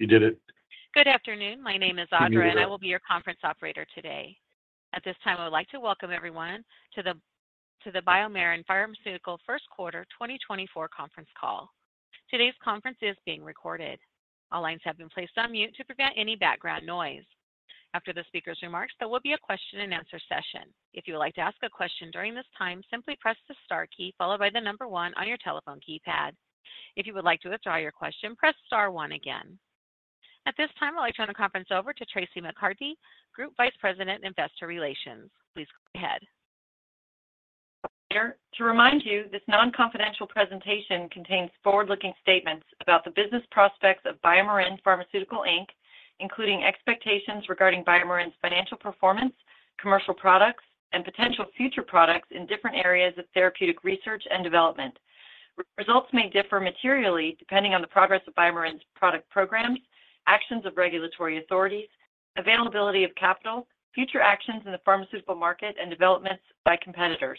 You did it. Good afternoon. My name is Audra- I will be your conference operator today. At this time, I would like to welcome everyone to the BioMarin Pharmaceutical first quarter 2024 conference call. Today's conference is being recorded. All lines have been placed on mute to prevent any background noise. After the speaker's remarks, there will be a question and answer session. If you would like to ask a question during this time, simply press the star key followed by the number one on your telephone keypad. If you would like to withdraw your question, press star one again. At this time, I'd like to turn the conference over to Traci McCarty, Group Vice President, Investor Relations. Please go ahead. To remind you, this non-confidential presentation contains forward-looking statements about the business prospects of BioMarin Pharmaceutical Inc., including expectations regarding BioMarin's financial performance, commercial products, and potential future products in different areas of therapeutic research and development. Results may differ materially depending on the progress of BioMarin's product programs, actions of regulatory authorities, availability of capital, future actions in the pharmaceutical market, and developments by competitors,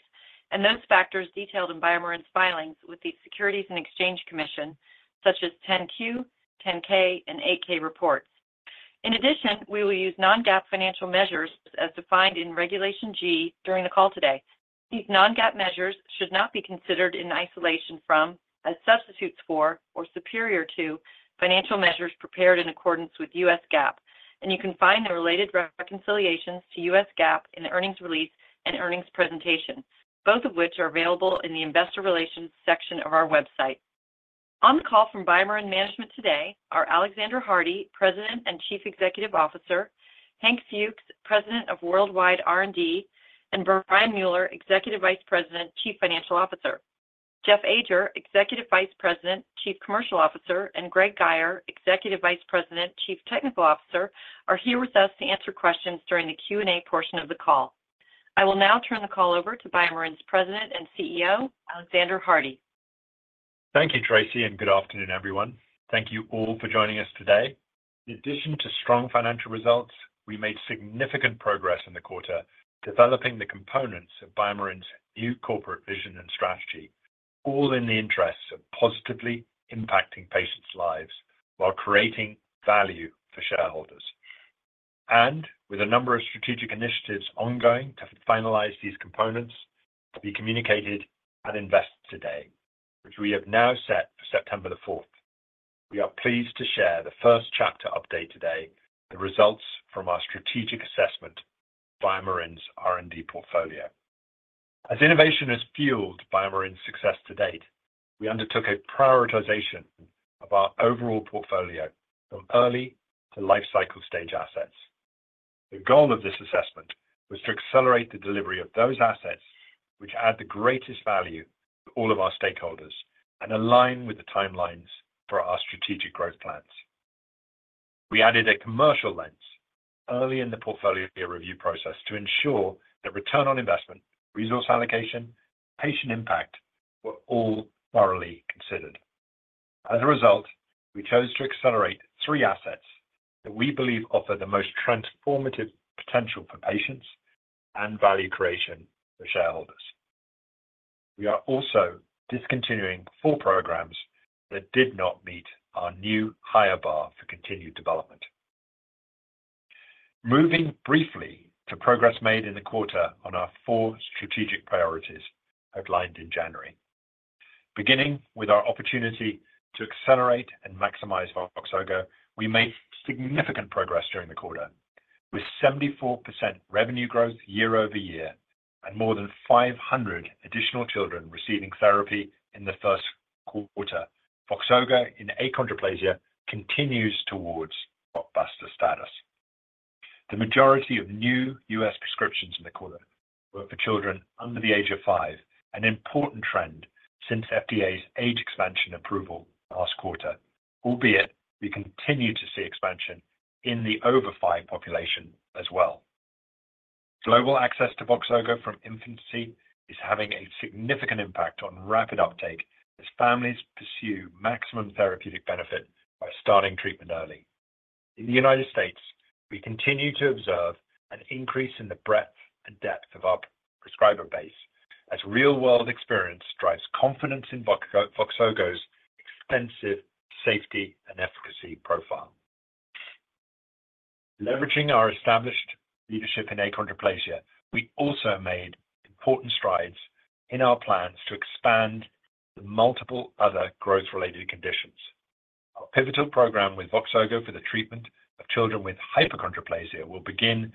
and those factors detailed in BioMarin's filings with the Securities and Exchange Commission, such as 10-Q, 10-K, and 8-K reports. In addition, we will use non-GAAP financial measures as defined in Regulation G during the call today. These non-GAAP measures should not be considered in isolation from, as substitutes for, or superior to financial measures prepared in accordance with U.S. GAAP, and you can find the related reconciliations to U.S. GAAP in the earnings release and earnings presentation, both of which are available in the investor relations section of our website. On the call from BioMarin management today are Alexander Hardy, President and Chief Executive Officer, Hank Fuchs, President of Worldwide R&D, and Brian Mueller, Executive Vice President, Chief Financial Officer. Jeff Ajer, Executive Vice President, Chief Commercial Officer, and Greg Guyer, Executive Vice President, Chief Technical Officer, are here with us to answer questions during the Q&A portion of the call. I will now turn the call over to BioMarin's President and CEO, Alexander Hardy. Thank you, Traci, and good afternoon, everyone. Thank you all for joining us today. In addition to strong financial results, we made significant progress in the quarter, developing the components of BioMarin's new corporate vision and strategy, all in the interests of positively impacting patients' lives while creating value for shareholders. With a number of strategic initiatives ongoing to finalize these components, to be communicated at Investor Day, which we have now set for September 4th. We are pleased to share the first chapter update today, the results from our strategic assessment of BioMarin's R&D portfolio. As innovation has fueled BioMarin's success to date, we undertook a prioritization of our overall portfolio from early to lifecycle stage assets. The goal of this assessment was to accelerate the delivery of those assets, which add the greatest value to all of our stakeholders and align with the timelines for our strategic growth plans. We added a commercial lens early in the portfolio review process to ensure that return on investment, resource allocation, patient impact, were all thoroughly considered. As a result, we chose to accelerate three assets that we believe offer the most transformative potential for patients and value creation for shareholders. We are also discontinuing four programs that did not meet our new higher bar for continued development. Moving briefly to progress made in the quarter on our four strategic priorities outlined in January. Beginning with our opportunity to accelerate and maximize Voxzogo, we made significant progress during the quarter, with 74% revenue growth year-over-year and more than 500 additional children receiving therapy in the first quarter. Voxzogo in achondroplasia continues towards blockbuster status. The majority of new U.S. prescriptions in the quarter were for children under the age of five, an important trend since FDA's age expansion approval last quarter, albeit we continue to see expansion in the over five population as well. Global access to Voxzogo from infancy is having a significant impact on rapid uptake as families pursue maximum therapeutic benefit by starting treatment early. In the United States, we continue to observe an increase in the breadth and depth of our prescriber base as real-world experience drives confidence in Voxzogo's extensive safety and efficacy profile. Leveraging our established leadership in achondroplasia, we also made important strides in our plans to expand to multiple other growth-related conditions. Our pivotal program with Voxzogo for the treatment of children with hypochondroplasia will begin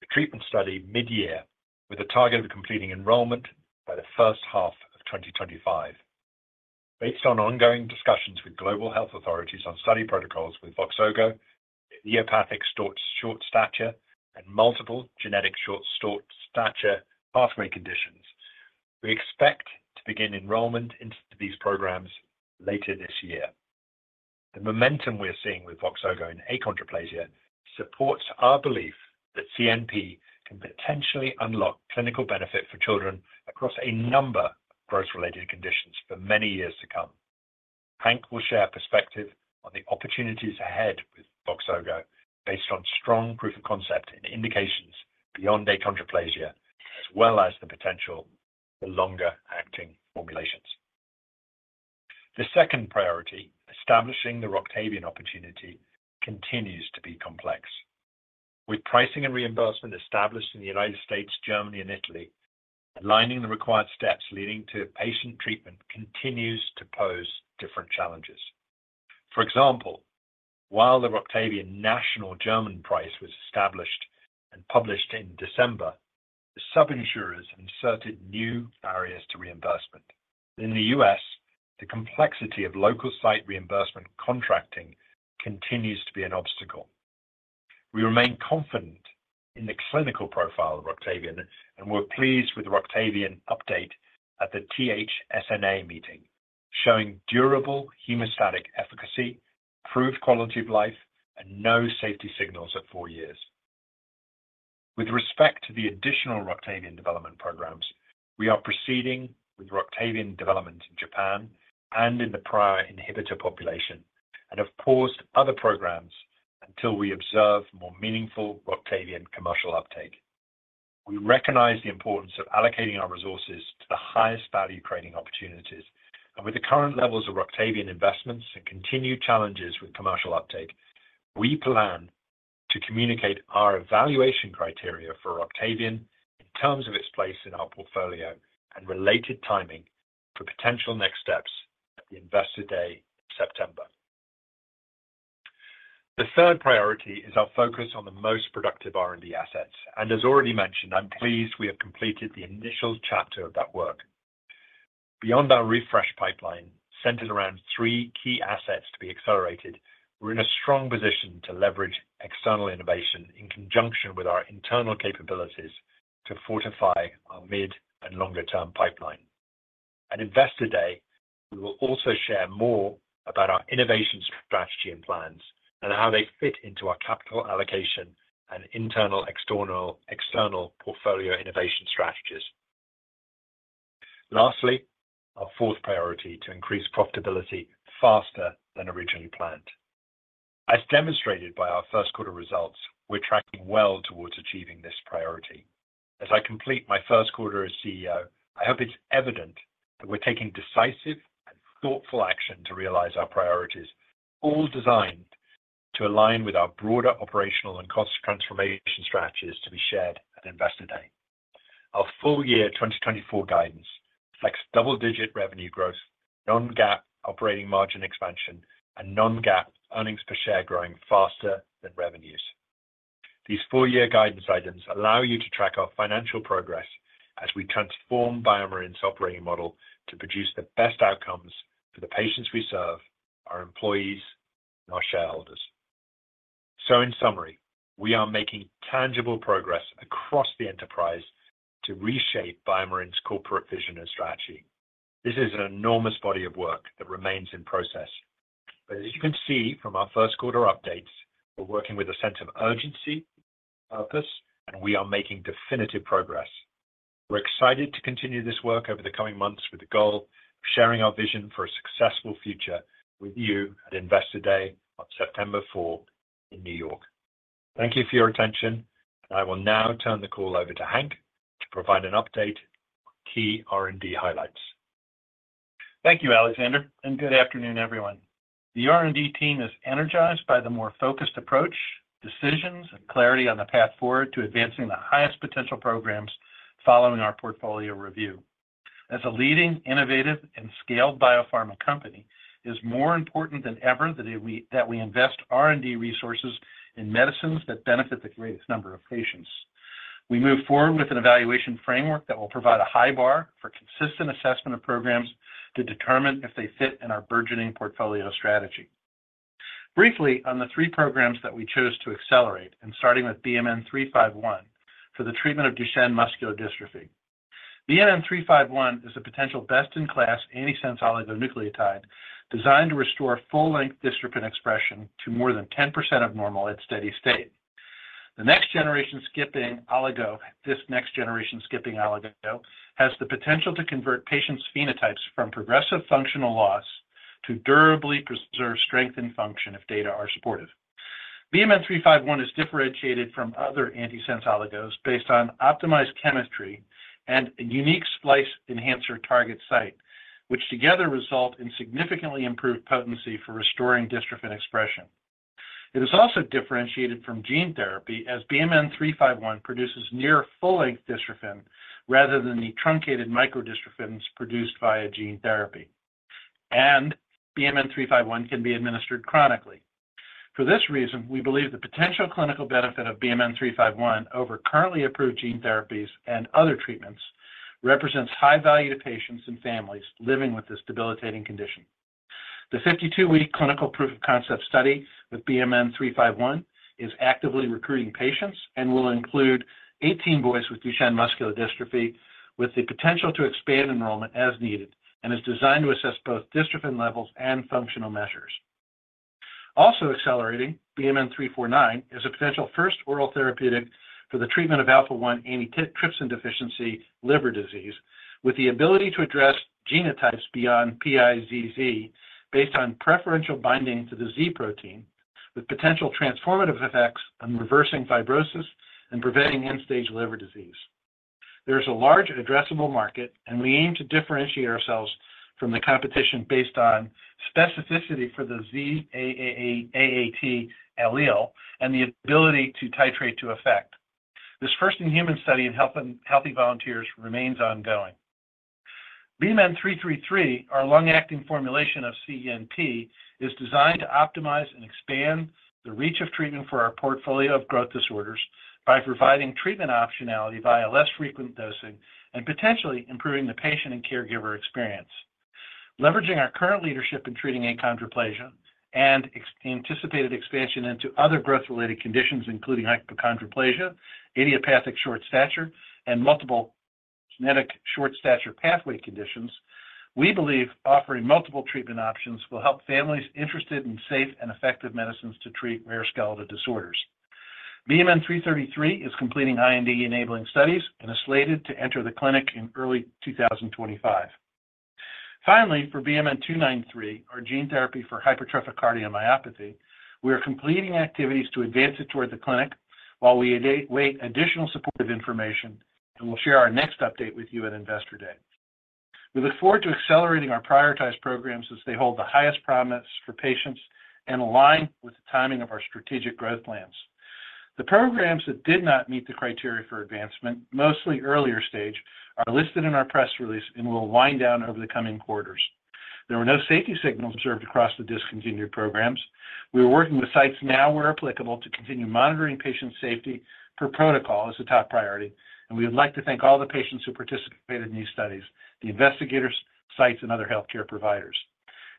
the treatment study mid-year, with a target of completing enrollment by the first half of 2025. Based on ongoing discussions with global health authorities on study protocols with Voxzogo, in idiopathic short stature and multiple genetic short stature pathway conditions, we expect to begin enrollment into these programs later this year. The momentum we're seeing with Voxzogo in achondroplasia supports our belief that CNP can potentially unlock clinical benefit for children across a number of growth-related conditions for many years to come. Hank will share perspective on the opportunities ahead with Voxzogo, based on strong proof of concept in indications beyond achondroplasia, as well as the potential for longer-term formulations. The second priority, establishing the Roctavian opportunity, continues to be complex. With pricing and reimbursement established in the United States, Germany, and Italy, aligning the required steps leading to patient treatment continues to pose different challenges. For example, while the Roctavian national German price was established and published in December, the sub-insurers inserted new barriers to reimbursement. In the U.S., the complexity of local site reimbursement contracting continues to be an obstacle. We remain confident in the clinical profile of Roctavian, and we're pleased with the Roctavian update at the THSNA meeting, showing durable hemostatic efficacy, improved quality of life, and no safety signals at four years. With respect to the additional Roctavian development programs, we are proceeding with Roctavian development in Japan and in the prior inhibitor population, and have paused other programs until we observe more meaningful Roctavian commercial uptake. We recognize the importance of allocating our resources to the highest value-creating opportunities, and with the current levels of Roctavian investments and continued challenges with commercial uptake, we plan to communicate our evaluation criteria for Roctavian in terms of its place in our portfolio and related timing for potential next steps at the Investor Day, September. The third priority is our focus on the most productive R&D assets, and as already mentioned, I'm pleased we have completed the initial chapter of that work. Beyond our refresh pipeline, centered around three key assets to be accelerated, we're in a strong position to leverage external innovation in conjunction with our internal capabilities to fortify our mid- and longer-term pipeline. At Investor Day, we will also share more about our innovation strategy and plans and how they fit into our capital allocation and internal, external, external portfolio innovation strategies. Lastly, our fourth priority, to increase profitability faster than originally planned. As demonstrated by our first quarter results, we're tracking well towards achieving this priority. As I complete my first quarter as CEO, I hope it's evident that we're taking decisive and thoughtful action to realize our priorities, all designed to align with our broader operational and cost transformation strategies to be shared at Investor Day. Our full year 2024 guidance reflects double-digit revenue growth, non-GAAP operating margin expansion, and non-GAAP earnings per share growing faster than revenues. These four-year guidance items allow you to track our financial progress as we transform BioMarin's operating model to produce the best outcomes for the patients we serve, our employees, and our shareholders. So in summary, we are making tangible progress across the enterprise to reshape BioMarin's corporate vision and strategy. This is an enormous body of work that remains in process. But as you can see from our first quarter updates, we're working with a sense of urgency, purpose, and we are making definitive progress. We're excited to continue this work over the coming months with the goal of sharing our vision for a successful future with you at Investor Day on September fourth in New York. Thank you for your attention, and I will now turn the call over to Hank to provide an update on key R&D highlights. Thank you, Alexander, and good afternoon, everyone. The R&D team is energized by the more focused approach, decisions, and clarity on the path forward to advancing the highest potential programs following our portfolio review. As a leading, innovative, and scaled biopharma company, it's more important than ever that we invest R&D resources in medicines that benefit the greatest number of patients. We move forward with an evaluation framework that will provide a high bar for consistent assessment of programs to determine if they fit in our burgeoning portfolio strategy. Briefly, on the three programs that we chose to accelerate, and starting with BMN 351 for the treatment of Duchenne muscular dystrophy. BMN 351 is a potential best-in-class antisense oligonucleotide designed to restore full-length dystrophin expression to more than 10% of normal at steady state. The next generation skipping oligo, this next generation skipping oligo, has the potential to convert patients' phenotypes from progressive functional loss to durably preserve strength and function if data are supportive. BMN 351 is differentiated from other antisense oligos based on optimized chemistry and a unique splice enhancer target site, which together result in significantly improved potency for restoring dystrophin expression. It is also differentiated from gene therapy as BMN 351 produces near full-length dystrophin rather than the truncated microdystrophins produced via gene therapy. BMN 351 can be administered chronically. For this reason, we believe the potential clinical benefit of BMN 351 over currently approved gene therapies and other treatments represents high value to patients and families living with this debilitating condition. The 52-week clinical proof of concept study with BMN 351 is actively recruiting patients and will include 18 boys with Duchenne muscular dystrophy, with the potential to expand enrollment as needed, and is designed to assess both dystrophin levels and functional measures. Also accelerating BMN 349, is a potential first oral therapeutic for the treatment of alpha-1 antitrypsin deficiency liver disease, with the ability to address genotypes beyond PiZZ based on preferential binding to the Z protein... With potential transformative effects on reversing fibrosis and preventing end-stage liver disease. There is a large addressable market, and we aim to differentiate ourselves from the competition based on specificity for the Z-AAT allele and the ability to titrate to effect. This first-in-human study in healthy volunteers remains ongoing. BMN 333, our long-acting formulation of CNP, is designed to optimize and expand the reach of treatment for our portfolio of growth disorders by providing treatment optionality via less frequent dosing and potentially improving the patient and caregiver experience. Leveraging our current leadership in treating achondroplasia and anticipated expansion into other growth-related conditions, including hypochondroplasia, idiopathic short stature, and multiple genetic short stature pathway conditions, we believe offering multiple treatment options will help families interested in safe and effective medicines to treat rare skeletal disorders. BMN 333 is completing IND-enabling studies and is slated to enter the clinic in early 2025. Finally, for BMN 293, our gene therapy for hypertrophic cardiomyopathy, we are completing activities to advance it toward the clinic while we await additional supportive information, and we'll share our next update with you at Investor Day. We look forward to accelerating our prioritized programs as they hold the highest prominence for patients and align with the timing of our strategic growth plans. The programs that did not meet the criteria for advancement, mostly earlier stage, are listed in our press release and will wind down over the coming quarters. There were no safety signals observed across the discontinued programs. We are working with sites now, where applicable, to continue monitoring patient safety per protocol as a top priority, and we would like to thank all the patients who participated in these studies, the investigators, sites, and other healthcare providers.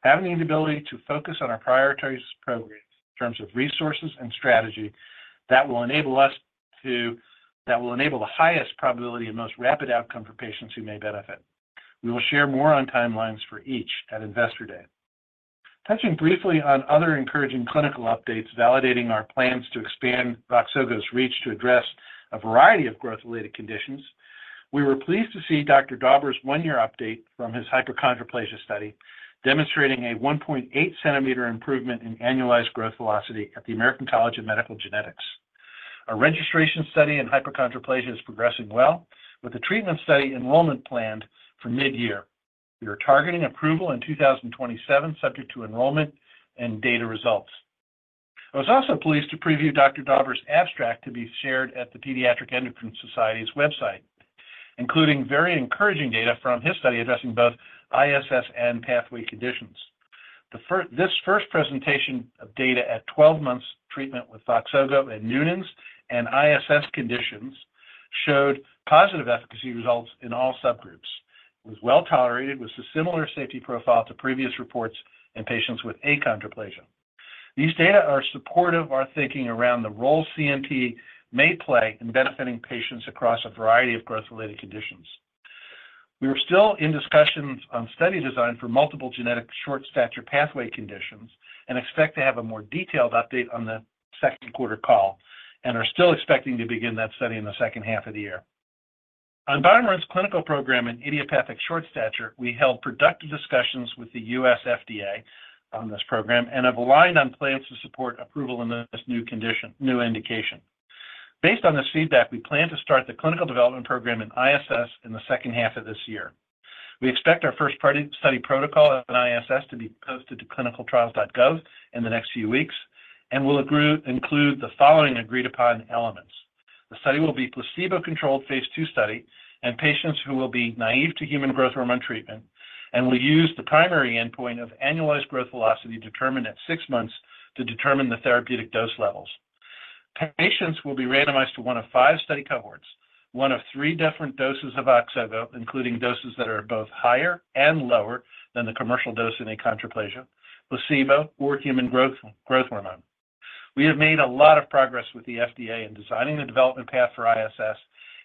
Having the ability to focus on our prioritized programs in terms of resources and strategy, that will enable the highest probability and most rapid outcome for patients who may benefit. We will share more on timelines for each at Investor Day. Touching briefly on other encouraging clinical updates, validating our plans to expand Voxzogo's reach to address a variety of growth-related conditions, we were pleased to see Dr. Dauber's one-year update from his hypochondroplasia study, demonstrating a 1.8 cm improvement in annualized growth velocity at the American College of Medical Genetics. Our registration study in hypochondroplasia is progressing well, with a treatment study enrollment planned for mid-year. We are targeting approval in 2027, subject to enrollment and data results. I was also pleased to preview Dr. Dauber's abstract to be shared at the Pediatric Endocrine Society's website, including very encouraging data from his study addressing both ISS and pathway conditions. This first presentation of data at 12 months treatment with Voxzogo in Noonan’s and ISS conditions showed positive efficacy results in all subgroups. It was well tolerated, with a similar safety profile to previous reports in patients with achondroplasia. These data are supportive of our thinking around the role CNP may play in benefiting patients across a variety of growth-related conditions. We are still in discussions on study design for multiple genetic short stature pathway conditions and expect to have a more detailed update on the second quarter call, and are still expecting to begin that study in the second half of the year. On BioMarin's clinical program in idiopathic short stature, we held productive discussions with the U.S. FDA on this program and have aligned on plans to support approval in this new condition, new indication. Based on this feedback, we plan to start the clinical development program in ISS in the second half of this year. We expect our Phase 2 study protocol on ISS to be posted to clinicaltrials.gov in the next few weeks and will include the following agreed-upon elements. The study will be a placebo-controlled phase II study in patients who will be naive to human growth hormone treatment and will use the primary endpoint of annualized growth velocity determined at six months to determine the therapeutic dose levels. Patients will be randomized to one of five study cohorts, one of three different doses of Voxzogo, including doses that are both higher and lower than the commercial dose in achondroplasia, placebo, or human growth hormone. We have made a lot of progress with the FDA in designing the development path for ISS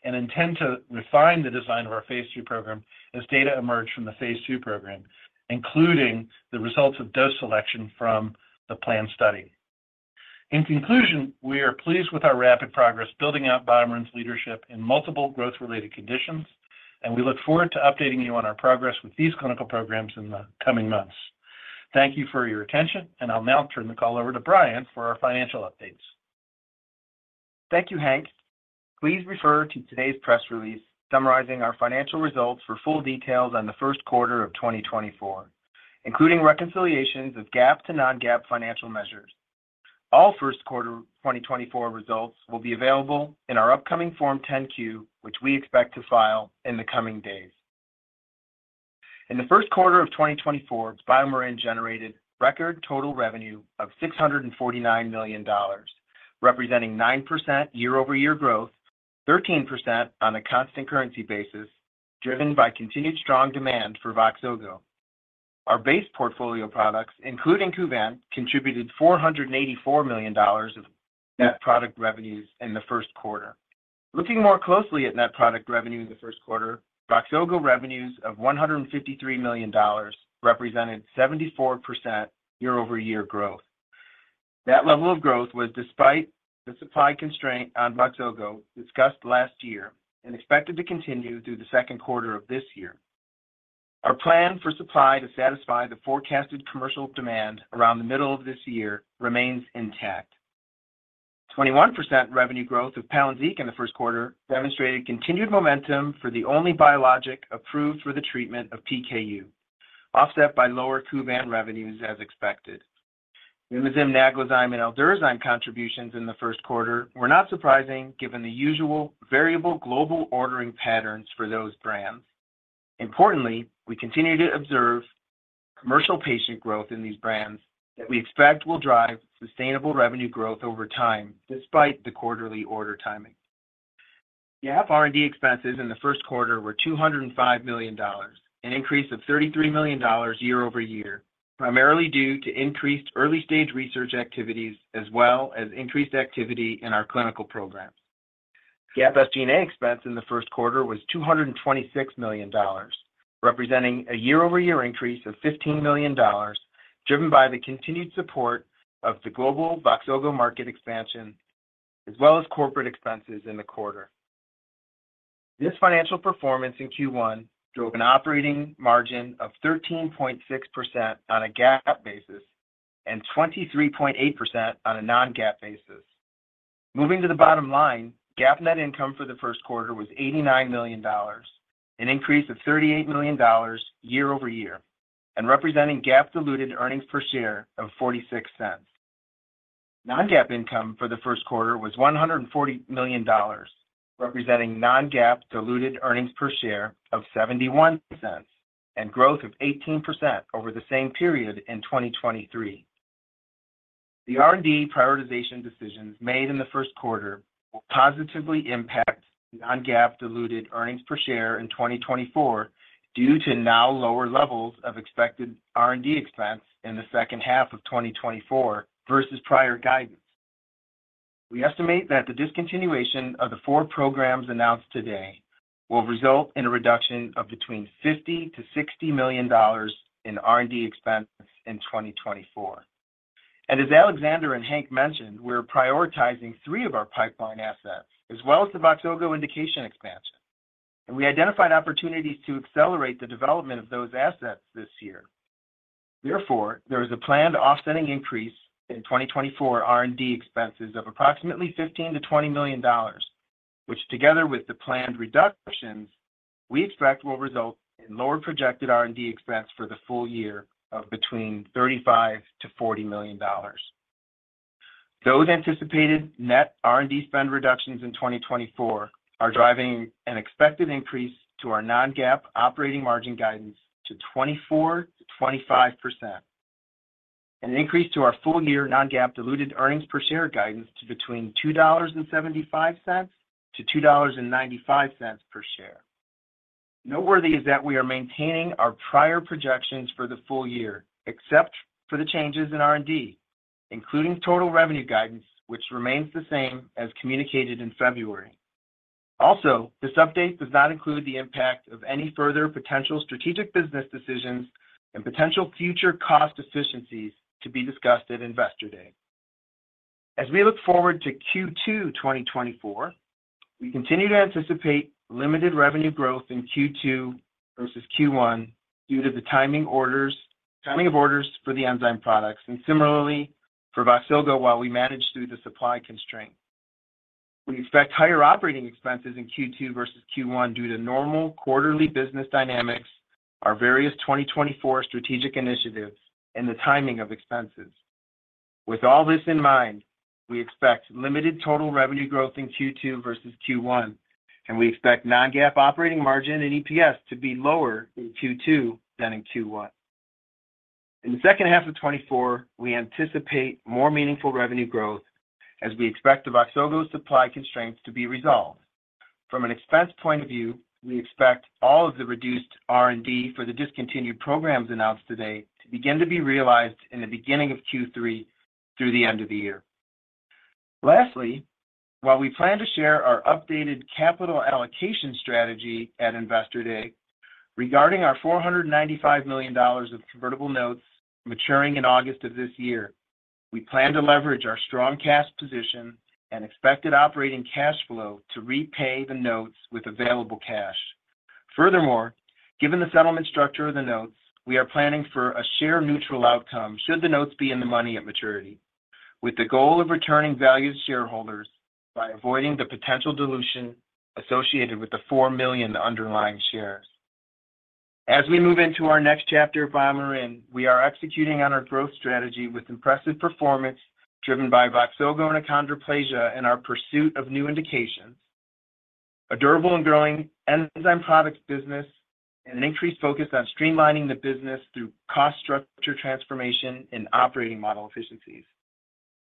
and intend to refine the design of our phase II program as data emerge from the phase II program, including the results of dose selection from the planned study. In conclusion, we are pleased with our rapid progress building out BioMarin's leadership in multiple growth-related conditions, and we look forward to updating you on our progress with these clinical programs in the coming months. Thank you for your attention, and I'll now turn the call over to Brian for our financial updates. Thank you, Hank. Please refer to today's press release summarizing our financial results for full details on the first quarter of 2024, including reconciliations of GAAP to non-GAAP financial measures. All first quarter 2024 results will be available in our upcoming Form 10-Q, which we expect to file in the coming days. In the first quarter of 2024, BioMarin generated record total revenue of $649 million, representing 9% year-over-year growth, 13% on a constant currency basis, driven by continued strong demand for Voxzogo. Our base portfolio products, including Kuvan, contributed $484 million of net product revenues in the first quarter. Looking more closely at net product revenue in the first quarter, Voxzogo revenues of $153 million represented 74% year-over-year growth. That level of growth was despite the supply constraint on Voxzogo discussed last year and expected to continue through the second quarter of this year. Our plan for supply to satisfy the forecasted commercial demand around the middle of this year remains intact. 21% revenue growth of Palynziq in the first quarter demonstrated continued momentum for the only biologic approved for the treatment of PKU, offset by lower Kuvan revenues as expected. Lumizyme, Naglazyme, and Aldurazyme contributions in the first quarter were not surprising, given the usual variable global ordering patterns for those brands. Importantly, we continue to observe commercial patient growth in these brands that we expect will drive sustainable revenue growth over time, despite the quarterly order timing. GAAP R&D expenses in the first quarter were $205 million, an increase of $33 million year-over-year, primarily due to increased early-stage research activities, as well as increased activity in our clinical programs. GAAP SG&A expense in the first quarter was $226 million, representing a year-over-year increase of $15 million, driven by the continued support of the global Voxzogo market expansion, as well as corporate expenses in the quarter. This financial performance in Q1 drove an operating margin of 13.6% on a GAAP basis and 23.8% on a non-GAAP basis. Moving to the bottom line, GAAP net income for the first quarter was $89 million, an increase of $38 million year-over-year, and representing GAAP diluted earnings per share of $0.46. Non-GAAP income for the first quarter was $140 million, representing non-GAAP diluted earnings per share of $0.71 and growth of 18% over the same period in 2023. The R&D prioritization decisions made in the first quarter will positively impact the non-GAAP diluted earnings per share in 2024 due to now lower levels of expected R&D expense in the second half of 2024 versus prior guidance. We estimate that the discontinuation of the four programs announced today will result in a reduction of between $50 million-$60 million in R&D expense in 2024. And as Alexander and Hank mentioned, we're prioritizing three of our pipeline assets, as well as the Voxzogo indication expansion, and we identified opportunities to accelerate the development of those assets this year. Therefore, there is a planned offsetting increase in 2024 R&D expenses of approximately $15 million-$20 million, which, together with the planned reductions, we expect will result in lower projected R&D expense for the full year of between $35 million-$40 million. Those anticipated net R&D spend reductions in 2024 are driving an expected increase to our non-GAAP operating margin guidance to 24%-25%, an increase to our full-year non-GAAP diluted earnings per share guidance to between $2.75-$2.95 per share. Noteworthy is that we are maintaining our prior projections for the full year, except for the changes in R&D, including total revenue guidance, which remains the same as communicated in February. Also, this update does not include the impact of any further potential strategic business decisions and potential future cost efficiencies to be discussed at Investor Day. As we look forward to Q2 2024, we continue to anticipate limited revenue growth in Q2 versus Q1 due to the timing of orders for the enzyme products and similarly for Voxzogo, while we manage through the supply constraint. We expect higher operating expenses in Q2 versus Q1 due to normal quarterly business dynamics, our various 2024 strategic initiatives, and the timing of expenses. With all this in mind, we expect limited total revenue growth in Q2 versus Q1, and we expect non-GAAP operating margin and EPS to be lower in Q2 than in Q1. In the second half of 2024, we anticipate more meaningful revenue growth as we expect the Voxzogo supply constraints to be resolved. From an expense point of view, we expect all of the reduced R&D for the discontinued programs announced today to begin to be realized in the beginning of Q3 through the end of the year. Lastly, while we plan to share our updated capital allocation strategy at Investor Day, regarding our $495 million of convertible notes maturing in August of this year, we plan to leverage our strong cash position and expected operating cash flow to repay the notes with available cash. Furthermore, given the settlement structure of the notes, we are planning for a share-neutral outcome, should the notes be in the money at maturity, with the goal of returning value to shareholders by avoiding the potential dilution associated with the 4 million underlying shares. As we move into our next chapter of BioMarin, we are executing on our growth strategy with impressive performance driven by Voxzogo and achondroplasia and our pursuit of new indications, a durable and growing enzyme products business, and an increased focus on streamlining the business through cost structure transformation and operating model efficiencies.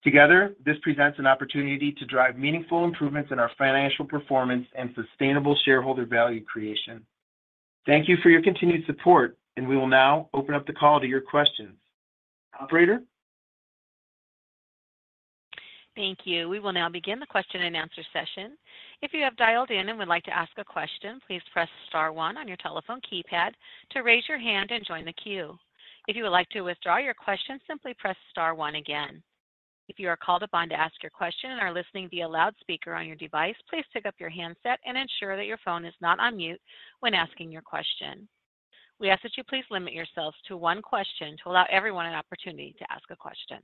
Together, this presents an opportunity to drive meaningful improvements in our financial performance and sustainable shareholder value creation. Thank you for your continued support, and we will now open up the call to your questions. Operator? Thank you. We will now begin the question-and-answer session. If you have dialed in and would like to ask a question, please press star one on your telephone keypad to raise your hand and join the queue. If you would like to withdraw your question, simply press star one again. ... If you are called upon to ask your question and are listening via loudspeaker on your device, please pick up your handset and ensure that your phone is not on mute when asking your question. We ask that you please limit yourselves to one question to allow everyone an opportunity to ask a question.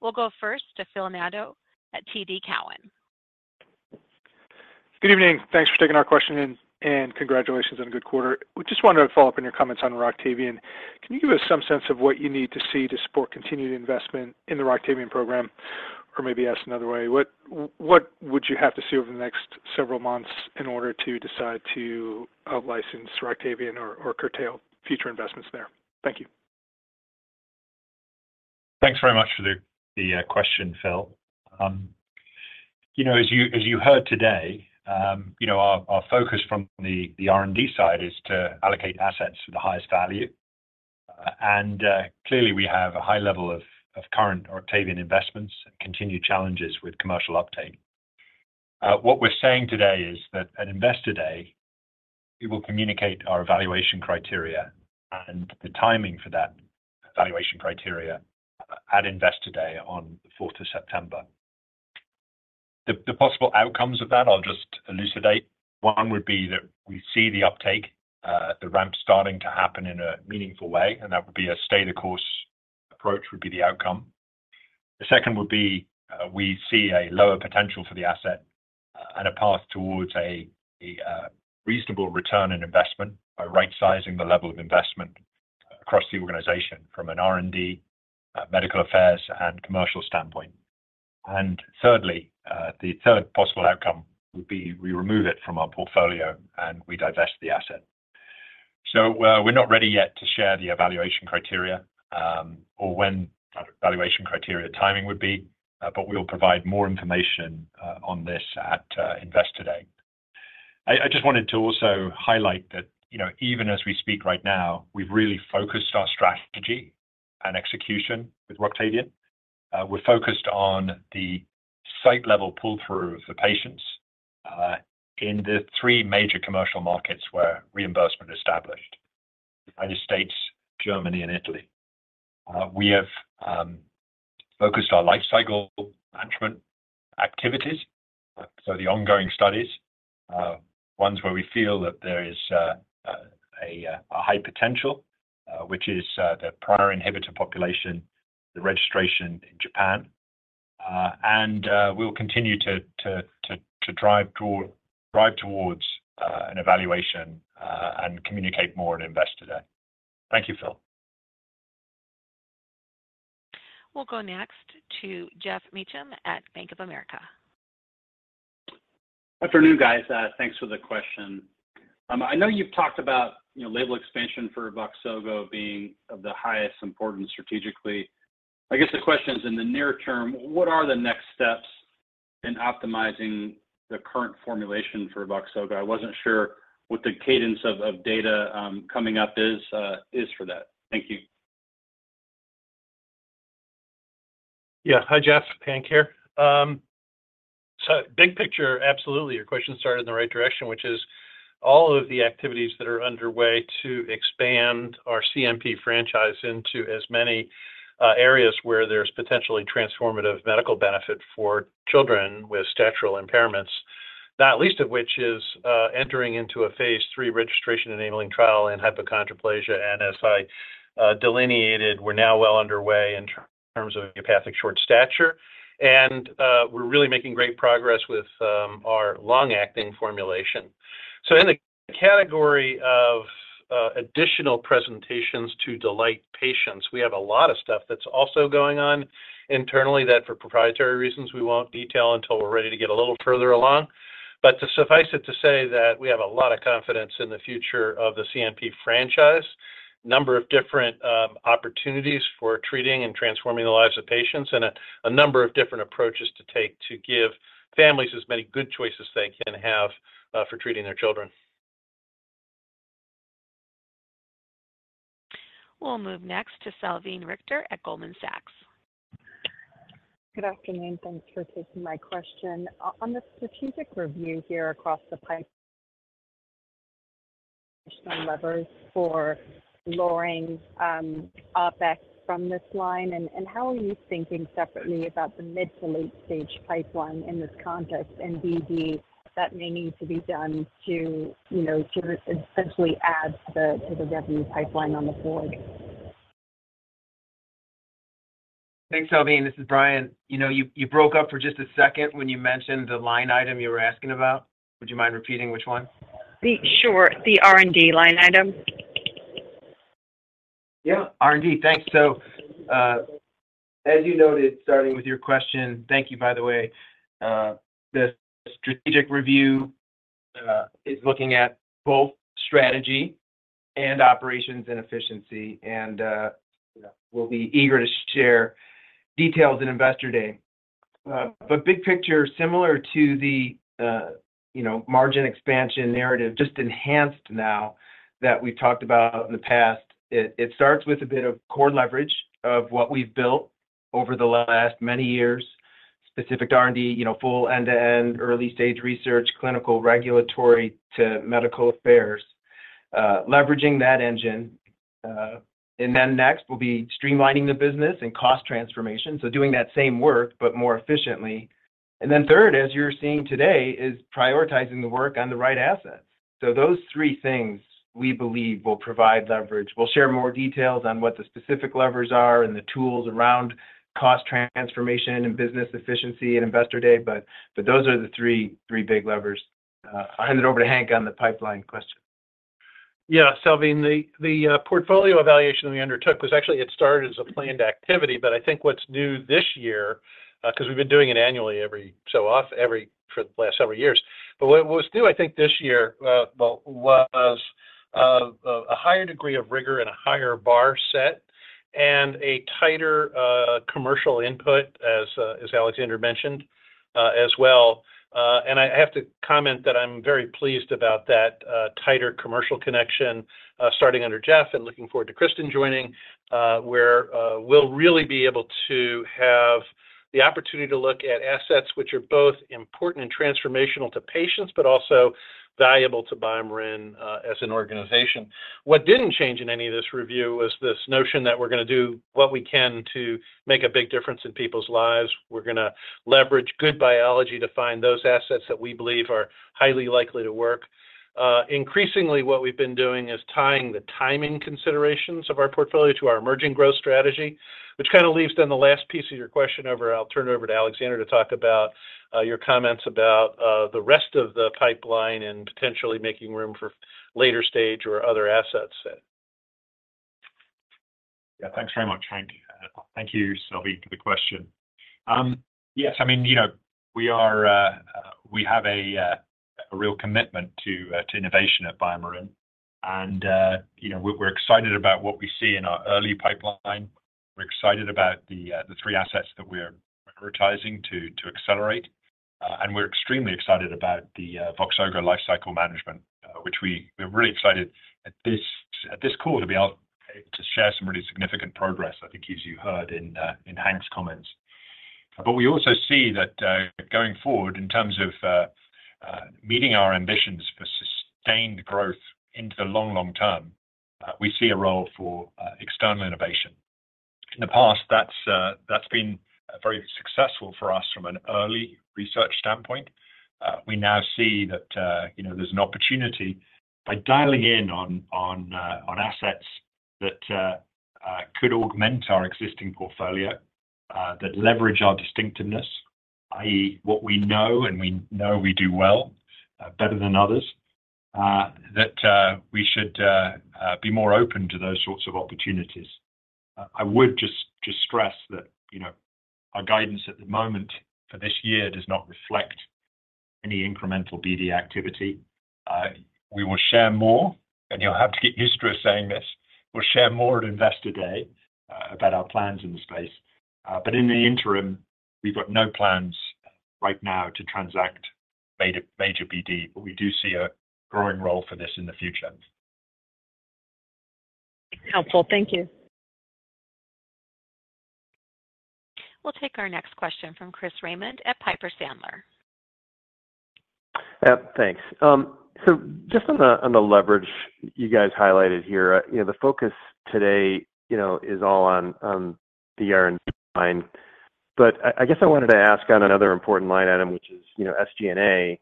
We'll go first to Phil Nadeau at TD Cowen. Good evening. Thanks for taking our question, and congratulations on a good quarter. We just wanted to follow up on your comments on Roctavian. Can you give us some sense of what you need to see to support continued investment in the Roctavian program? Or maybe asked another way, what would you have to see over the next several months in order to decide to license Roctavian or curtail future investments there? Thank you. Thanks very much for the question, Phil. You know, as you heard today, you know, our focus from the R&D side is to allocate assets for the highest value. And clearly, we have a high level of current Roctavian investments and continued challenges with commercial uptake. What we're saying today is that at Investor Day, we will communicate our evaluation criteria and the timing for that evaluation criteria at Investor Day on the fourth of September. The possible outcomes of that, I'll just elucidate. One, would be that we see the uptake, the ramp starting to happen in a meaningful way, and that would be a stay the course approach would be the outcome. The second would be, we see a lower potential for the asset, and a path towards a reasonable return on investment by right-sizing the level of investment across the organization from an R&D, medical affairs, and commercial standpoint. And thirdly, the third possible outcome would be we remove it from our portfolio, and we divest the asset. So, we're not ready yet to share the evaluation criteria, or when evaluation criteria timing would be, but we'll provide more information, on this at Investor Day. I just wanted to also highlight that, you know, even as we speak right now, we've really focused our strategy and execution with Roctavian. We're focused on the site-level pull-through of the patients, in the three major commercial markets where reimbursement established: United States, Germany, and Italy. We have focused our lifecycle management activities, so the ongoing studies, ones where we feel that there is a high potential, which is the prior inhibitor population, the registration in Japan. And we'll continue to drive towards an evaluation, and communicate more at Investor Day. Thank you, Phil. We'll go next to Jeff Meacham at Bank of America. Good afternoon, guys. Thanks for the question. I know you've talked about, you know, label expansion for Voxzogo being of the highest importance strategically. I guess the question is, in the near term, what are the next steps in optimizing the current formulation for Voxzogo? I wasn't sure what the cadence of data coming up is for that. Thank you. Yeah. Hi, Jeff, Hank here. So big picture, absolutely, your question started in the right direction, which is all of the activities that are underway to expand our CNP franchise into as many areas where there's potentially transformative medical benefit for children with statural impairments, not least of which is entering into a phase 3 registration enabling trial in hypochondroplasia. And as I delineated, we're now well underway in terms of idiopathic short stature, and we're really making great progress with our long-acting formulation. So in the category of additional presentations to delight patients, we have a lot of stuff that's also going on internally that, for proprietary reasons, we won't detail until we're ready to get a little further along. But to suffice it to say that we have a lot of confidence in the future of the CNP franchise, number of different opportunities for treating and transforming the lives of patients, and a number of different approaches to take to give families as many good choices they can have for treating their children. We'll move next to Salveen Richter at Goldman Sachs. Good afternoon. Thanks for taking my question. On the strategic review here across the pipeline levers for lowering OpEx from this line, and how are you thinking separately about the mid- to late-stage pipeline in this context, and indeed, what may need to be done to, you know, to essentially add to the revenue pipeline going forward? Thanks, Salveen. This is Brian. You know, you broke up for just a second when you mentioned the line item you were asking about. Would you mind repeating which one? Sure. The R&D line item. Yeah, R&D. Thanks. So, as you noted, starting with your question... Thank you, by the way. The strategic review is looking at both strategy and operations and efficiency, and, you know, we'll be eager to share details in Investor Day. But big picture, similar to the, you know, margin expansion narrative, just enhanced now that we've talked about in the past, it, it starts with a bit of core leverage of what we've built over the last many years... specific R&D, you know, full end-to-end early stage research, clinical, regulatory to medical affairs, leveraging that engine. And then next will be streamlining the business and cost transformation, so doing that same work, but more efficiently. And then third, as you're seeing today, is prioritizing the work on the right asset. So those three things, we believe will provide leverage. We'll share more details on what the specific levers are and the tools around cost transformation and business efficiency at Investor Day, but those are the three big levers. I'll hand it over to Hank on the pipeline question. Yeah, Salveen, the portfolio evaluation we undertook was actually it started as a planned activity, but I think what's new this year, 'cause we've been doing it annually every so often for the last several years. But what was new, I think, this year, well, was a higher degree of rigor and a higher bar set, and a tighter commercial input, as Alexander mentioned, as well. And I have to comment that I'm very pleased about that tighter commercial connection, starting under Jeff, and looking forward to Cristin joining, where we'll really be able to have the opportunity to look at assets which are both important and transformational to patients, but also valuable to BioMarin, as an organization. What didn't change in any of this review was this notion that we're gonna do what we can to make a big difference in people's lives. We're gonna leverage good biology to find those assets that we believe are highly likely to work. Increasingly, what we've been doing is tying the timing considerations of our portfolio to our emerging growth strategy, which kind of leaves then the last piece of your question over. I'll turn it over to Alexander to talk about your comments about the rest of the pipeline and potentially making room for later stage or other assets then. Yeah, thanks very much, Hank. Thank you, Salveen, for the question. Yes, I mean, you know, we are. We have a real commitment to innovation at BioMarin, and, you know, we're excited about what we see in our early pipeline. We're excited about the three assets that we're prioritizing to accelerate, and we're extremely excited about the Voxzogo lifecycle management, which we're really excited at this call to be able to share some really significant progress, I think, as you heard in Hank's comments. But we also see that going forward in terms of meeting our ambitions for sustained growth into the long term, we see a role for external innovation. In the past, that's been very successful for us from an early research standpoint. We now see that, you know, there's an opportunity by dialing in on assets that could augment our existing portfolio, that leverage our distinctiveness, i.e., what we know and we know we do well, better than others, that we should be more open to those sorts of opportunities. I would just stress that, you know, our guidance at the moment for this year does not reflect any incremental BD activity. We will share more, and you'll have to get used to us saying this, we'll share more at Investor Day about our plans in the space. But in the interim, we've got no plans right now to transact major, major BD, but we do see a growing role for this in the future. Helpful. Thank you. We'll take our next question from Chris Raymond at Piper Sandler. Thanks. So just on the leverage you guys highlighted here, you know, the focus today, you know, is all on the R&D line. But I guess I wanted to ask on another important line item, which is SG&A.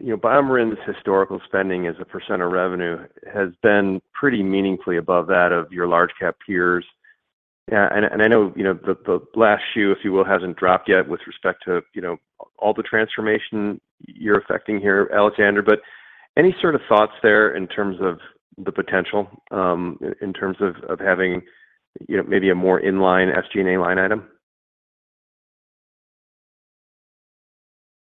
You know, BioMarin's historical spending as a % of revenue has been pretty meaningfully above that of your large cap peers. And I know, you know, the last shoe, if you will, hasn't dropped yet with respect to, you know, all the transformation you're effecting here, Alexander. But any sort of thoughts there in terms of the potential, in terms of having, you know, maybe a more in-line SG&A line item?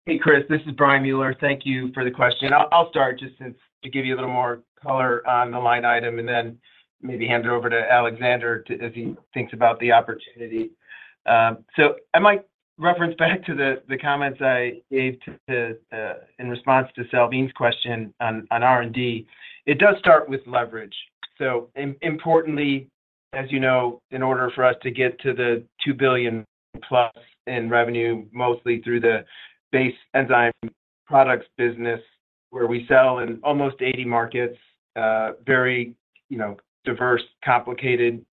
Hey, Chris, this is Brian Mueller. Thank you for the question. I'll start just since to give you a little more color on the line item and then maybe hand it over to Alexander to as he thinks about the opportunity. So I might reference back to the comments I gave to in response to Salveen's question on R&D. It does start with leverage. So importantly, as you know, in order for us to get to the $2 billion+ in revenue, mostly through the base enzyme products business, where we sell in almost 80 markets, very, you know, diverse, complicated,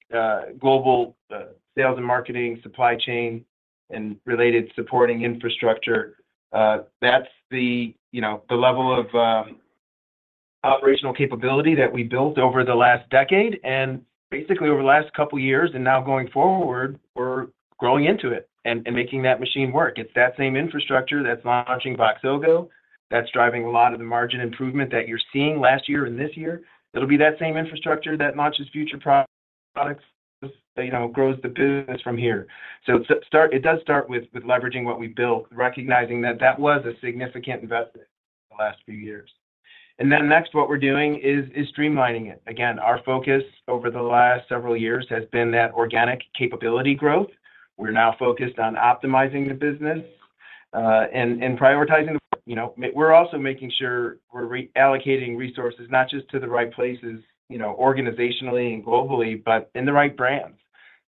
global, sales and marketing, supply chain, and related supporting infrastructure, that's the, you know, the level of operational capability that we built over the last decade. Basically, over the last couple of years and now going forward, we're growing into it and making that machine work. It's that same infrastructure that's launching Voxzogo, that's driving a lot of the margin improvement that you're seeing last year and this year. It'll be that same infrastructure that launches future products, you know, grows the business from here. So it does start with leveraging what we built, recognizing that that was a significant investment in the last few years. And then next, what we're doing is streamlining it. Again, our focus over the last several years has been that organic capability growth. We're now focused on optimizing the business and prioritizing, you know, we're also making sure we're reallocating resources, not just to the right places, you know, organizationally and globally, but in the right brands.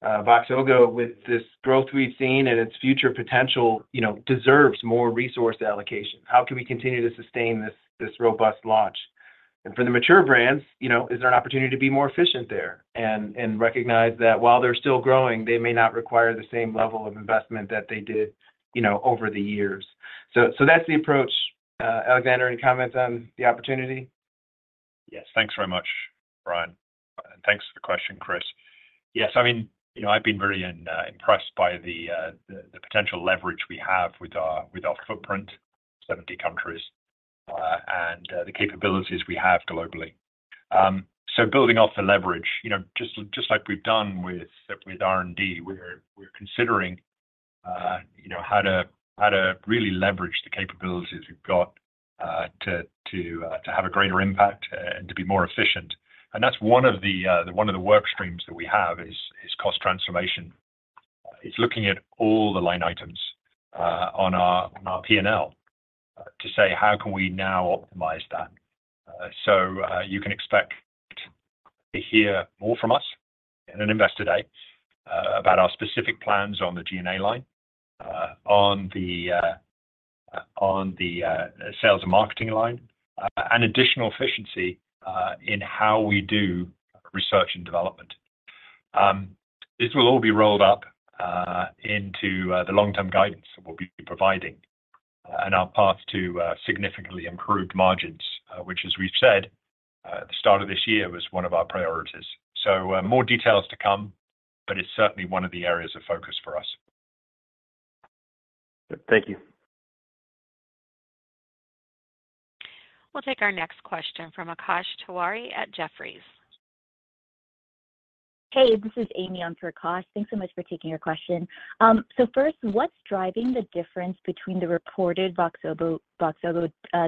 Voxzogo, with this growth we've seen and its future potential, you know, deserves more resource allocation. How can we continue to sustain this robust launch? And for the mature brands, you know, is there an opportunity to be more efficient there? And recognize that while they're still growing, they may not require the same level of investment that they did, you know, over the years. So that's the approach. Alexander, any comments on the opportunity? Yes. Thanks very much, Brian. Thanks for the question, Chris. Yes, I mean, you know, I've been very impressed by the potential leverage we have with our footprint, 70 countries, and the capabilities we have globally. So building off the leverage, you know, just like we've done with R&D, we're considering, you know, how to really leverage the capabilities we've got to have a greater impact and to be more efficient. And that's one of the work streams that we have is cost transformation. It's looking at all the line items on our P&L to say, how can we now optimize that? So, you can expect to hear more from us in an investor day about our specific plans on the G&A line, on the sales and marketing line, and additional efficiency in how we do research and development. This will all be rolled up into the long-term guidance that we'll be providing, and our path to significantly improved margins, which, as we've said, at the start of this year, was one of our priorities. So, more details to come, but it's certainly one of the areas of focus for us. Thank you. We'll take our next question from Akash Tewari at Jefferies. Hey, this is Amy on for Akash. Thanks so much for taking your question. So first, what's driving the difference between the reported Voxzogo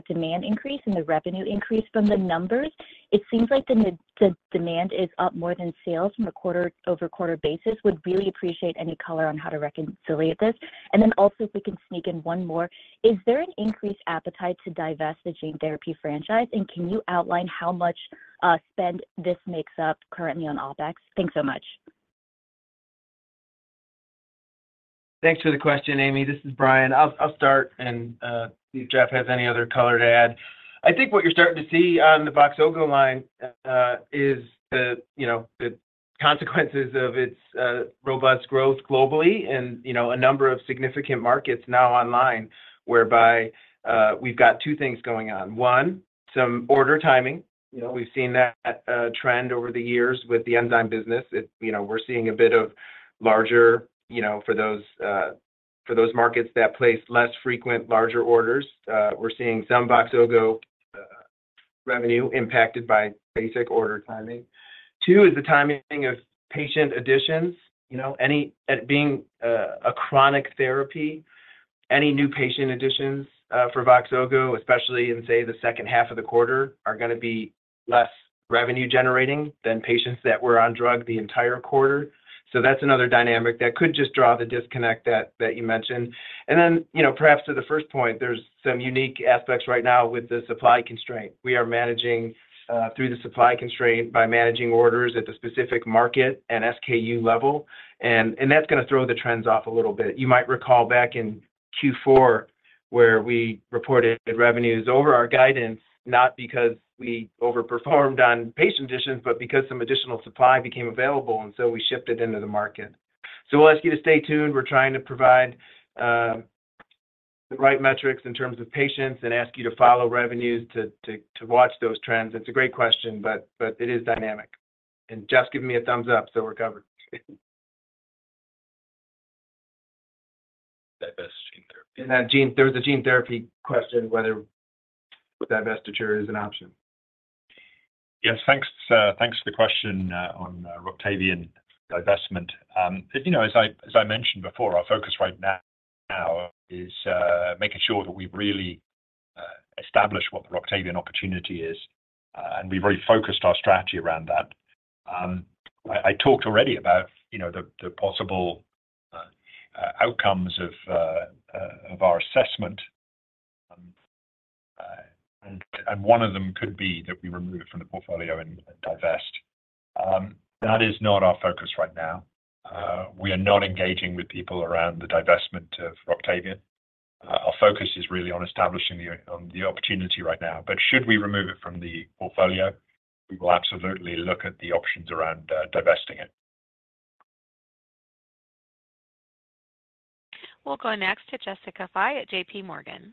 demand increase and the revenue increase from the numbers? It seems like the demand is up more than sales from a quarter-over-quarter basis. Would really appreciate any color on how to reconcile this. And then also, if we can sneak in one more, is there an increased appetite to divest the gene therapy franchise? And can you outline how much spend this makes up currently on OpEx? Thanks so much. Thanks for the question, Amy. This is Brian. I'll start and if Jeff has any other color to add. I think what you're starting to see on the Voxzogo line is the you know the consequences of its robust growth globally and you know a number of significant markets now online, whereby we've got two things going on. One, some order timing. You know, we've seen that trend over the years with the enzyme business. You know, we're seeing a bit of larger for those markets that place less frequent, larger orders. We're seeing some Voxzogo revenue impacted by basic order timing. Two, is the timing of patient additions. You know, anything being a chronic therapy, any new patient additions for Voxzogo, especially in, say, the second half of the quarter, are gonna be less revenue generating than patients that were on drug the entire quarter. So that's another dynamic that could just draw the disconnect that you mentioned. And then, you know, perhaps to the first point, there's some unique aspects right now with the supply constraint. We are managing through the supply constraint by managing orders at the specific market and SKU level, and that's gonna throw the trends off a little bit. You might recall back in Q4, where we reported revenues over our guidance, not because we overperformed on patient additions, but because some additional supply became available, and so we shipped it into the market. So we'll ask you to stay tuned. We're trying to provide the right metrics in terms of patients and ask you to follow revenues to watch those trends. It's a great question, but it is dynamic. And Jeff's giving me a thumbs up, so we're covered. Divest gene therapy. And then there was a gene therapy question, whether divestiture is an option. Yes, thanks, thanks for the question, on Roctavian divestment. You know, as I mentioned before, our focus right now is making sure that we really establish what the Roctavian opportunity is, and we've really focused our strategy around that. I talked already about, you know, the possible outcomes of our assessment, and one of them could be that we remove it from the portfolio and divest. That is not our focus right now. We are not engaging with people around the divestment of Roctavian. Our focus is really on establishing the opportunity right now. But should we remove it from the portfolio, we will absolutely look at the options around divesting it. We'll go next to Jessica Fye at J.P. Morgan.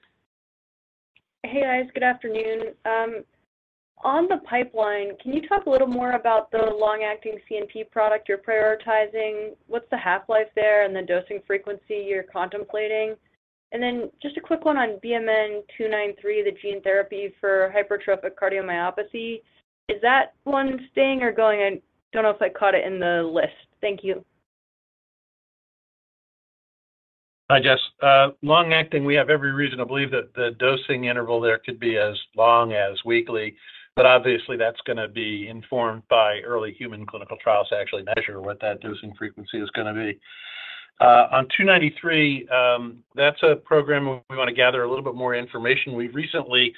Hey, guys. Good afternoon. On the pipeline, can you talk a little more about the long-acting CNP product you're prioritizing? What's the half-life there and the dosing frequency you're contemplating? And then just a quick one on BMN 293, the gene therapy for hypertrophic cardiomyopathy. Is that one staying or going? I don't know if I caught it in the list. Thank you. Hi, Jess. Long-acting, we have every reason to believe that the dosing interval there could be as long as weekly, but obviously that's gonna be informed by early human clinical trials to actually measure what that dosing frequency is gonna be. On 293, that's a program where we want to gather a little bit more information. We've recently,...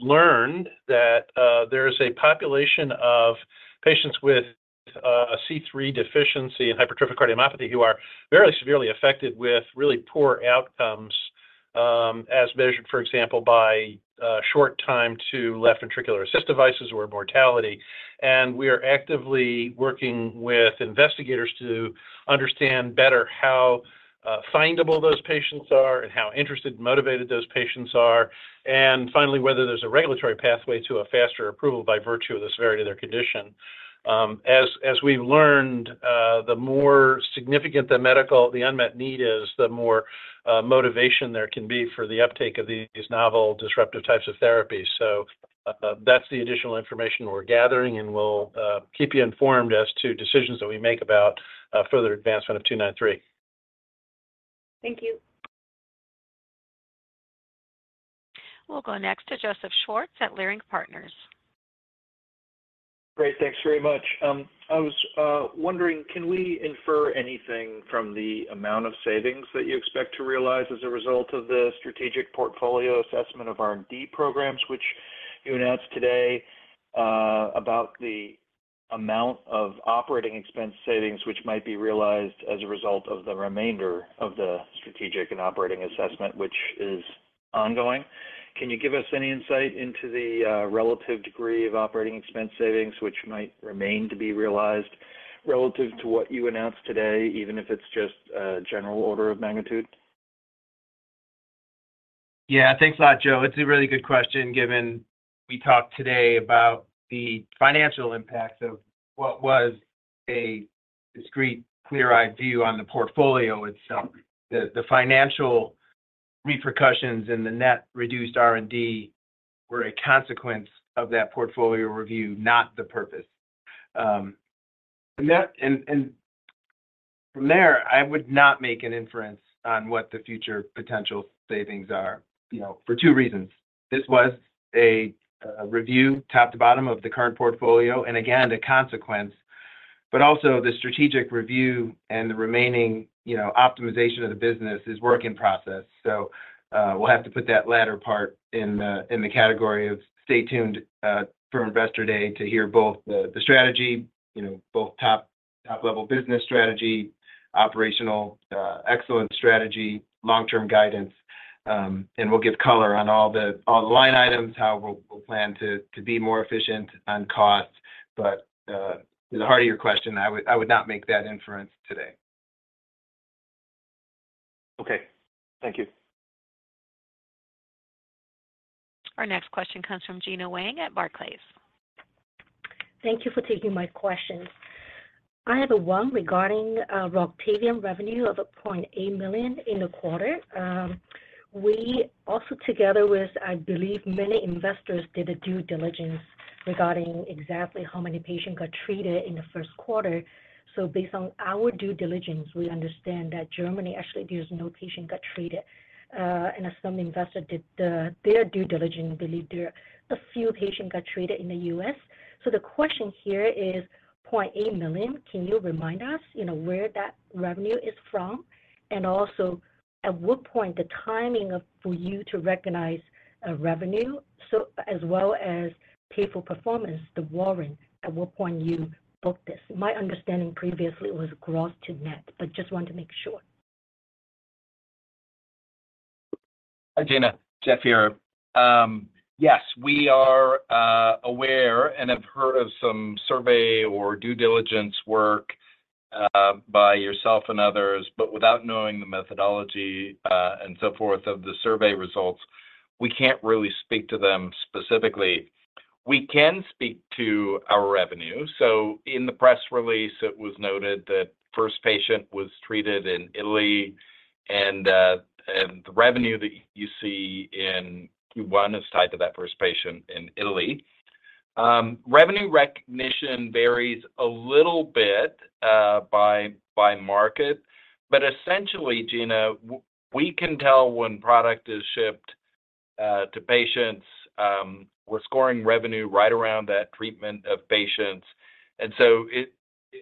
learned that, there is a population of patients with, MYBPC3 deficiency and hypertrophic cardiomyopathy who are very severely affected with really poor outcomes, as measured, for example, by, short time to left ventricular assist devices or mortality. We are actively working with investigators to understand better how, findable those patients are and how interested and motivated those patients are, and finally, whether there's a regulatory pathway to a faster approval by virtue of the severity of their condition. As we've learned, the more significant the medical, the unmet need is, the more, motivation there can be for the uptake of these novel, disruptive types of therapies. So, that's the additional information we're gathering, and we'll, keep you informed as to decisions that we make about, further advancement of 293. Thank you. We'll go next to Joseph Schwartz at Leerink Partners. Great. Thanks very much. I was wondering, can we infer anything from the amount of savings that you expect to realize as a result of the strategic portfolio assessment of R&D programs, which you announced today, about the amount of operating expense savings, which might be realized as a result of the remainder of the strategic and operating assessment, which is ongoing? Can you give us any insight into the relative degree of operating expense savings, which might remain to be realized relative to what you announced today, even if it's just a general order of magnitude? Yeah, thanks a lot, Joe. It's a really good question, given we talked today about the financial impact of what was a discrete, clear-eyed view on the portfolio itself. The financial repercussions and the net reduced R&D were a consequence of that portfolio review, not the purpose. And from there, I would not make an inference on what the future potential savings are, you know, for two reasons. This was a review, top to bottom of the current portfolio, and again, the consequence, but also the strategic review and the remaining, you know, optimization of the business is work in process. So, we'll have to put that latter part in the category of stay tuned for Investor Day to hear both the strategy, you know, both top-level business strategy, operational excellence strategy, long-term guidance. And we'll give color on all the line items, how we'll plan to be more efficient on costs. But, to the heart of your question, I would not make that inference today. Okay. Thank you. Our next question comes from Gina Wang at Barclays. Thank you for taking my questions. I have one regarding Roctavian revenue of $0.8 million in the quarter. We also, together with, I believe, many investors, did a due diligence regarding exactly how many patients got treated in the first quarter. So based on our due diligence, we understand that Germany, actually, there's no patient got treated. And as some investors did, their due diligence, believe there a few patients got treated in the U.S. So the question here is, $0.8 million, can you remind us, you know, where that revenue is from? And also, at what point the timing of, for you to recognize a revenue, so as well as pay for performance, the warranty, at what point you book this? My understanding previously was gross to net, but just wanted to make sure. Hi, Gina. Jeff here. Yes, we are aware and have heard of some survey or due diligence work by yourself and others, but without knowing the methodology and so forth of the survey results, we can't really speak to them specifically. We can speak to our revenue. So in the press release, it was noted that first patient was treated in Italy, and the revenue that you see in Q1 is tied to that first patient in Italy. Revenue recognition varies a little bit by market, but essentially, Gina, we can tell when product is shipped to patients. We're recording revenue right around that treatment of patients. And so it...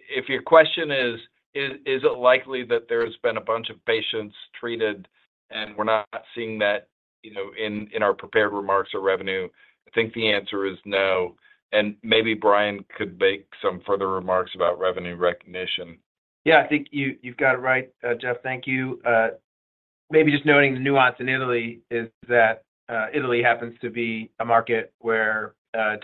If your question is, is it likely that there's been a bunch of patients treated and we're not seeing that, you know, in our prepared remarks or revenue? I think the answer is no. And maybe Brian could make some further remarks about revenue recognition. Yeah, I think you, you've got it right, Jeff, thank you. Maybe just noting the nuance in Italy is that, Italy happens to be a market where,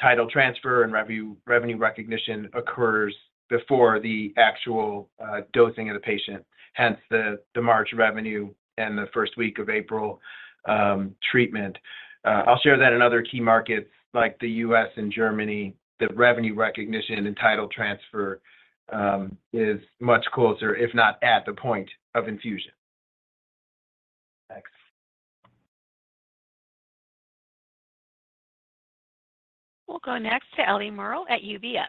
title transfer and revenue recognition occurs before the actual, dosing of the patient, hence the March revenue and the first week of April treatment. I'll share that in other key markets like the US and Germany, the revenue recognition and title transfer is much closer, if not at the point of infusion. Thanks. We'll go next to Ellie Merle at UBS.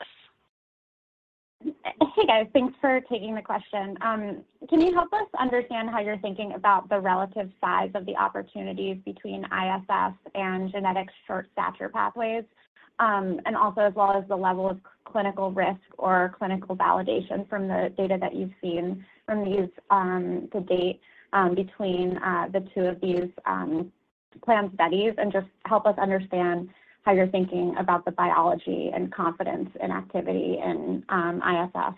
Hey, guys. Thanks for taking the question. Can you help us understand how you're thinking about the relative size of the opportunities between ISS and genetic short stature pathways? And also as well as the level of clinical risk or clinical validation from the data that you've seen from these, to date, between, the two of these, pathways? Plan studies and just help us understand how you're thinking about the biology and confidence and activity in, ISS,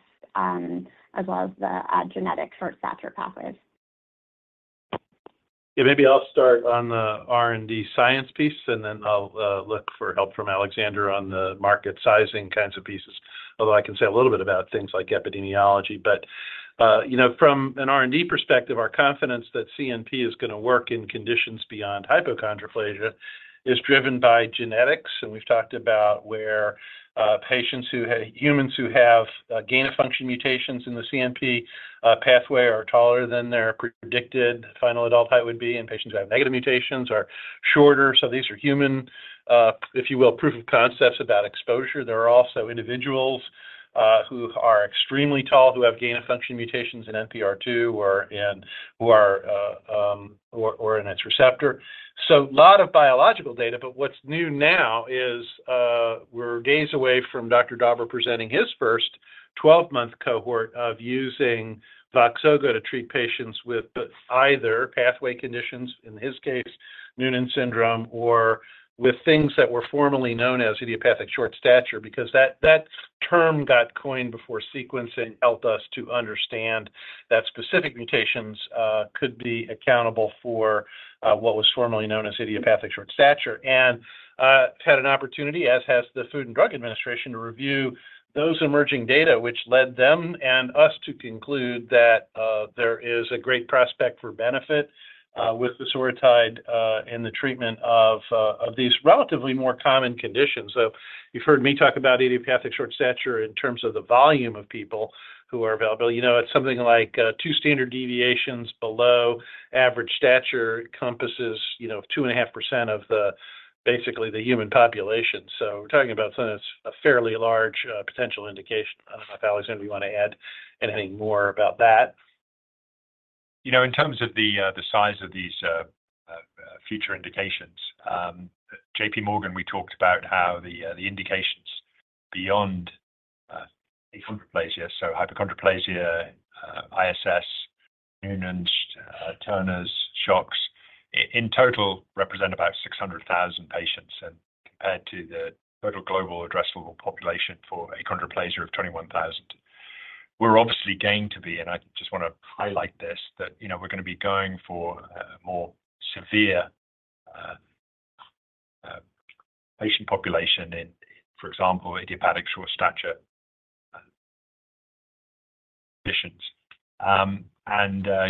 as well as the, genetic short stature pathways. Yeah, maybe I'll start on the R&D science piece, and then I'll look for help from Alexander on the market sizing kinds of pieces. Although I can say a little bit about things like epidemiology, but, you know, from an R&D perspective, our confidence that CNP is going to work in conditions beyond hypochondroplasia is driven by genetics. And we've talked about where humans who have gain-of-function mutations in the CNP pathway are taller than their predicted final adult height would be, and patients who have negative mutations are shorter. So these are human, if you will, proof of concepts about exposure. There are also individuals who are extremely tall, who have gain-of-function mutations in NPR2 or in its receptor. So a lot of biological data, but what's new now is, we're days away from Dr. Dauber presenting his first 12-month cohort of using Voxzogo to treat patients with either pathway conditions, in his case, Noonan syndrome, or with things that were formerly known as idiopathic short stature. Because that term got coined before sequencing helped us to understand that specific mutations could be accountable for what was formerly known as idiopathic short stature. And had an opportunity, as has the Food and Drug Administration, to review those emerging data, which led them and us to conclude that there is a great prospect for benefit with the Voxzogo in the treatment of these relatively more common conditions. So you've heard me talk about idiopathic short stature in terms of the volume of people who are available. You know, it's something like two standard deviations below average stature, encompasses, you know, 2.5% of basically the human population. So we're talking about something that's a fairly large potential indication. I don't know if, Alexander, you want to add anything more about that? You know, in terms of the size of these future indications, J.P. Morgan, we talked about how the indications beyond achondroplasia, so hypochondroplasia, ISS, Noonan, Turner’s, SHOX in total, represent about 600,000 patients, and compared to the total global addressable population for achondroplasia of 21,000. We're obviously going to be, and I just want to highlight this, that, you know, we're going to be going for a more severe patient population in, for example, idiopathic short stature conditions. And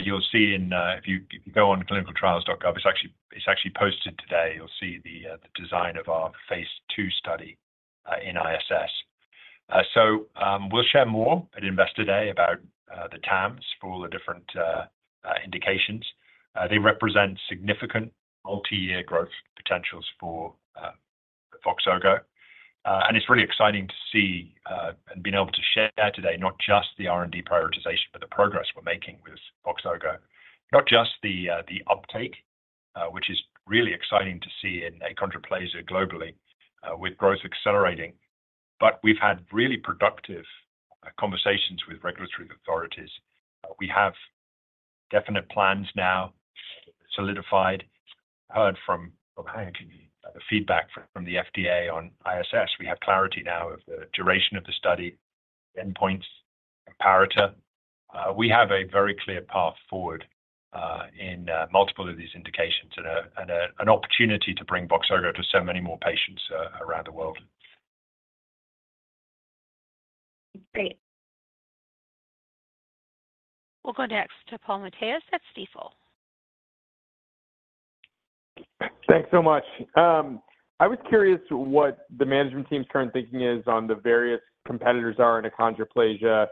you'll see in... If you go on clinicaltrials.gov, it's actually posted today. You'll see the design of our phase 2 study in ISS. So, we'll share more at Investor Day about the TAMs for all the different indications. They represent significant multi-year growth potentials for Voxzogo. And it's really exciting to see and being able to share today, not just the R&D prioritization, but the progress we're making with Voxzogo. Not just the uptake, which is really exciting to see in achondroplasia globally, with growth accelerating, but we've had really productive conversations with regulatory authorities. We have definite plans now solidified. Heard from the feedback from the FDA on ISS. We have clarity now of the duration of the study, endpoints, comparator. We have a very clear path forward in multiple of these indications and an opportunity to bring Voxzogo to so many more patients around the world. Great. We'll go next to Paul Matteis at Stifel. Thanks so much. I was curious what the management team's current thinking is on the various competitors are in achondroplasia.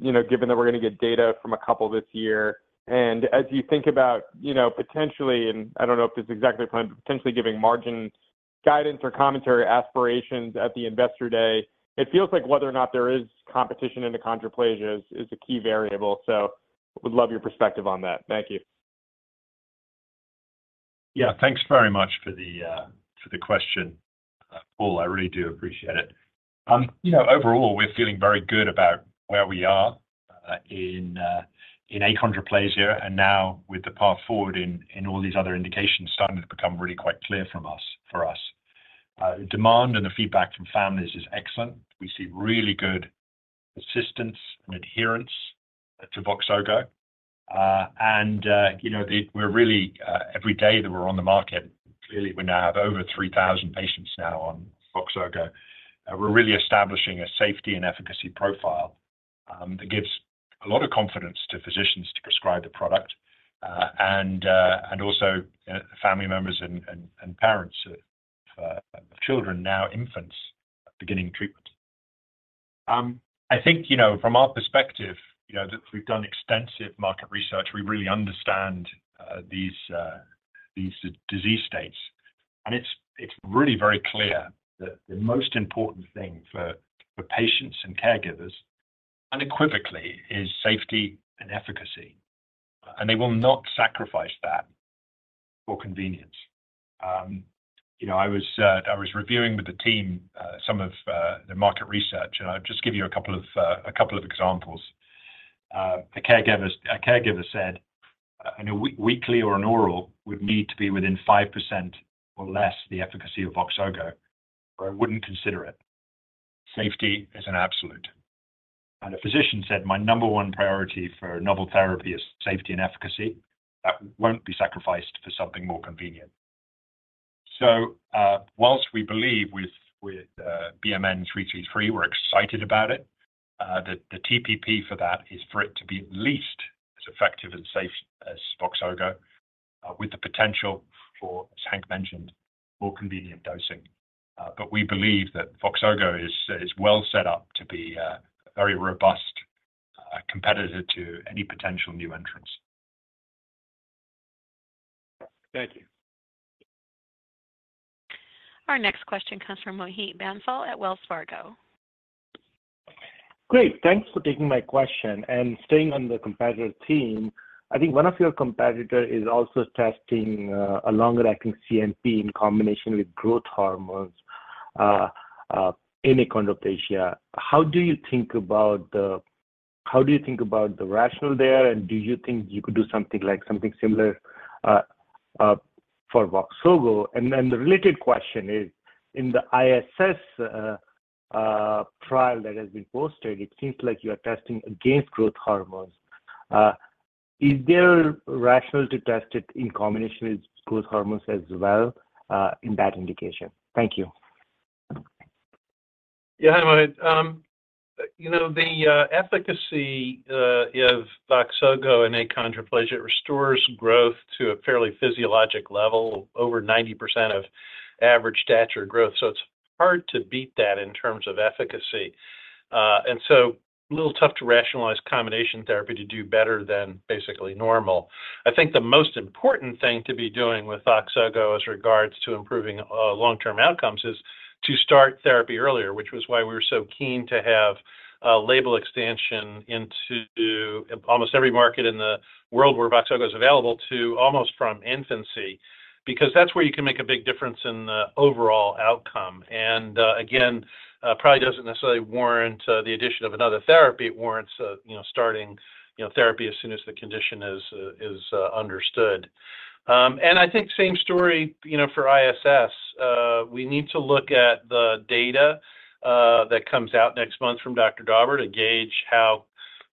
You know, given that we're going to get data from a couple this year, and as you think about, you know, potentially, and I don't know if this is exactly planned, potentially giving margin guidance or commentary aspirations at the Investor Day, it feels like whether or not there is competition in achondroplasia is a key variable. So would love your perspective on that. Thank you. Yeah, thanks very much for the question, Paul. I really do appreciate it. You know, overall, we're feeling very good about where we are in achondroplasia, and now with the path forward in all these other indications starting to become really quite clear for us. Demand and the feedback from families is excellent. We see really good persistence and adherence to Voxzogo. And, you know, we're really every day that we're on the market, clearly, we now have over 3,000 patients now on Voxzogo. We're really establishing a safety and efficacy profile that gives a lot of confidence to physicians to prescribe the product, and also family members and parents of children, now infants, beginning treatment. I think, you know, from our perspective, you know, that we've done extensive market research, we really understand these disease states. And it's really very clear that the most important thing for patients and caregivers, unequivocally, is safety and efficacy, and they will not sacrifice that for convenience. You know, I was reviewing with the team some of the market research, and I'll just give you a couple of examples. A caregiver said, "A weekly or an oral would need to be within 5% or less the efficacy of Voxzogo, or I wouldn't consider it. Safety is an absolute." And a physician said, "My number one priority for novel therapy is safety and efficacy. That won't be sacrificed for something more convenient." So, whilst we believe with BMN 333, we're excited about it, the TPP for that is for it to be at least as effective and safe as Voxzogo, with the potential for, as Hank mentioned, more convenient dosing. But we believe that Voxzogo is well set up to be a very robust competitor to any potential new entrants. Thank you. Our next question comes from Mohit Bansal at Wells Fargo. Great, thanks for taking my question. And staying on the competitor theme, I think one of your competitor is also testing a longer-acting CNP in combination with growth hormones in achondroplasia. How do you think about the rationale there, and do you think you could do something like something similar for Voxzogo? And then the related question is, in the ISS trial that has been posted, it seems like you are testing against growth hormones. Is there rationale to test it in combination with growth hormones as well in that indication? Thank you. Yeah, hi, Mohit. You know, the efficacy of Voxzogo in achondroplasia restores growth to a fairly physiologic level, over 90% of average stature growth. So it's hard to beat that in terms of efficacy. And so a little tough to rationalize combination therapy to do better than basically normal. I think the most important thing to be doing with Voxzogo as regards to improving long-term outcomes is to start therapy earlier, which was why we were so keen to have a label expansion into almost every market in the world where Voxzogo is available to almost from infancy. Because that's where you can make a big difference in the overall outcome, and again, probably doesn't necessarily warrant the addition of another therapy. It warrants you know, starting you know, therapy as soon as the condition is understood. I think same story, you know, for ISS. We need to look at the data that comes out next month from Dr. Dauber to gauge how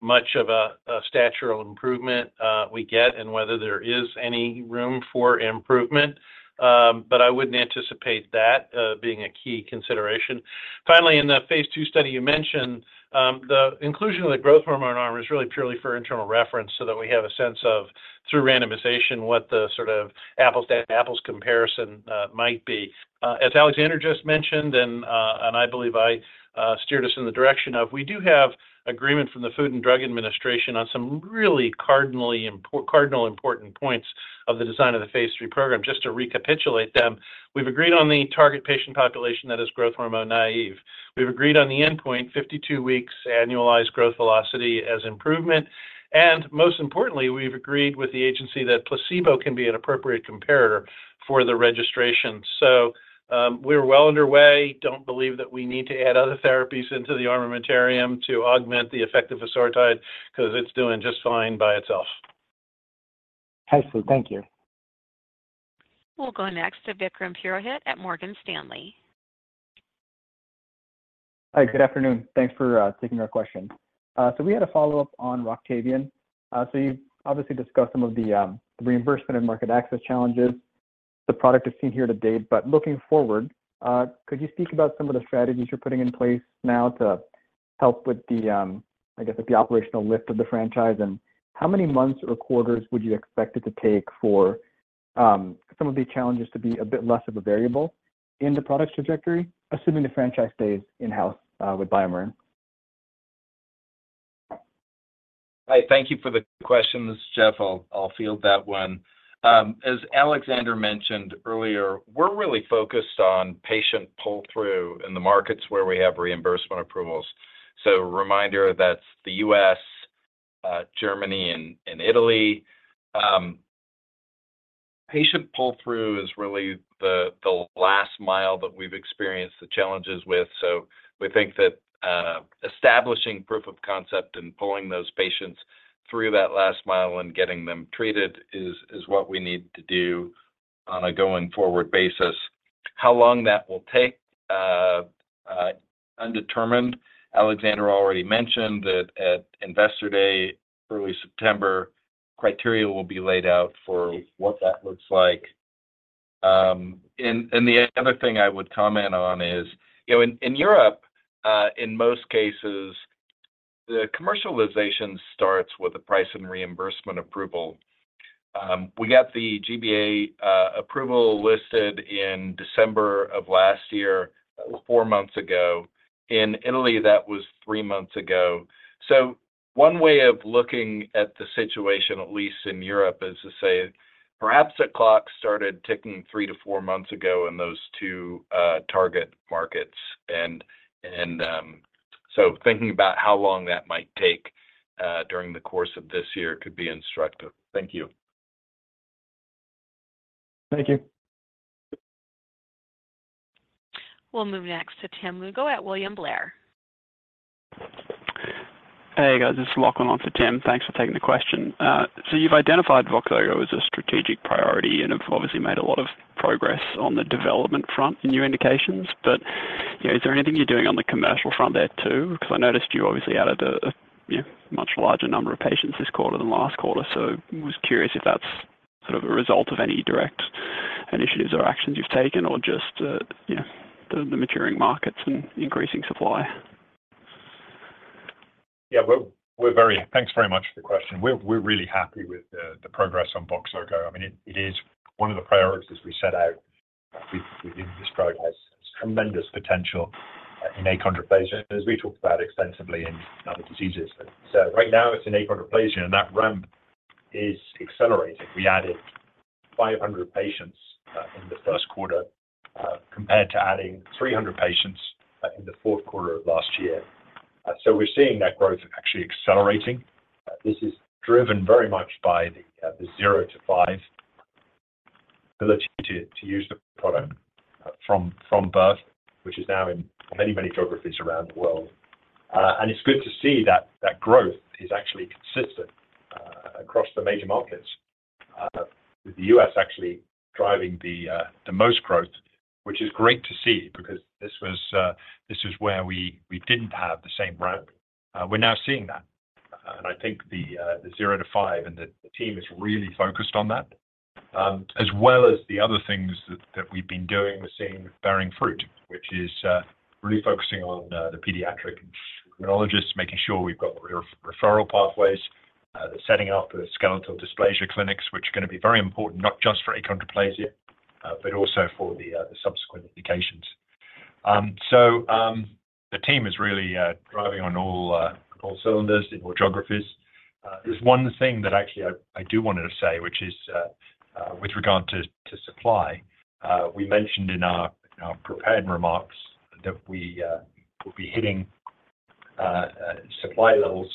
much of a statural improvement we get and whether there is any room for improvement. But I wouldn't anticipate that being a key consideration. Finally, in the phase 2 study you mentioned, the inclusion of the growth hormone arm is really purely for internal reference, so that we have a sense of, through randomization, what the sort of apples to apples comparison might be. As Alexander just mentioned, and I believe I steered us in the direction of, we do have agreement from the Food and Drug Administration on some really cardinally important points of the design of the phase 3 program. Just to recapitulate them, we've agreed on the target patient population that is growth hormone naive. We've agreed on the endpoint, 52 weeks annualized growth velocity as improvement. And most importantly, we've agreed with the agency that placebo can be an appropriate comparator for the registration. So, we're well underway. Don't believe that we need to add other therapies into the armamentarium to augment the effect of Voxzogo, because it's doing just fine by itself. Helpful. Thank you. We'll go next to Vikram Purohit at Morgan Stanley. Hi, good afternoon. Thanks for taking our question. So we had a follow-up on Roctavian. So you've obviously discussed some of the reimbursement and market access challenges the product has seen here to date. But looking forward, could you speak about some of the strategies you're putting in place now to help with, I guess, the operational lift of the franchise? And how many months or quarters would you expect it to take for some of these challenges to be a bit less of a variable in the product's trajectory, assuming the franchise stays in-house with BioMarin? Hi, thank you for the question. This is Jeff. I'll field that one. As Alexander mentioned earlier, we're really focused on patient pull-through in the markets where we have reimbursement approvals. So reminder, that's the U.S., Germany, and Italy. Patient pull-through is really the last mile that we've experienced the challenges with. So we think that establishing proof of concept and pulling those patients through that last mile and getting them treated is what we need to do on a going-forward basis. How long that will take? Undetermined. Alexander already mentioned that at Investor Day, early September, criteria will be laid out for what that looks like. And the other thing I would comment on is, you know, in Europe, in most cases, the commercialization starts with the price and reimbursement approval. We got the G-BA approval listed in December of last year, four months ago. In Italy, that was three months ago. So one way of looking at the situation, at least in Europe, is to say, perhaps the clock started ticking three to four months ago in those two target markets. So thinking about how long that might take during the course of this year could be instructive. Thank you. Thank you.... We'll move next to Tim Lugo at William Blair. Hey, guys, this is Lachlan on for Tim. Thanks for taking the question. So you've identified Voxzogo as a strategic priority, and you've obviously made a lot of progress on the development front in new indications. But, you know, is there anything you're doing on the commercial front there, too? Because I noticed you obviously added a much larger number of patients this quarter than last quarter. So I was curious if that's sort of a result of any direct initiatives or actions you've taken or just, you know, the maturing markets and increasing supply. Yeah, we're very—Thanks very much for the question. We're really happy with the progress on Voxzogo. I mean, it is one of the priorities we set out. We think this product has tremendous potential in achondroplasia, as we talked about extensively in other diseases. So right now, it's in achondroplasia, and that ramp is accelerating. We added 500 patients in the first quarter compared to adding 300 patients in the fourth quarter of last year. So we're seeing that growth actually accelerating. This is driven very much by the zero to five ability to use the product from birth, which is now in many, many geographies around the world. And it's good to see that growth is actually consistent across the major markets with the U.S. actually driving the most growth, which is great to see, because this was, this is where we didn't have the same ramp. We're now seeing that. And I think the 0-5, and the team is really focused on that, as well as the other things that we've been doing, we're seeing bearing fruit, which is really focusing on the pediatric endocrinologists, making sure we've got referral pathways, the setting up of the skeletal dysplasia clinics, which are gonna be very important, not just for achondroplasia, but also for the subsequent indications. So, the team is really driving on all cylinders in all geographies. There's one thing that actually I do want to say, which is, with regard to supply. We mentioned in our prepared remarks that we will be hitting supply levels,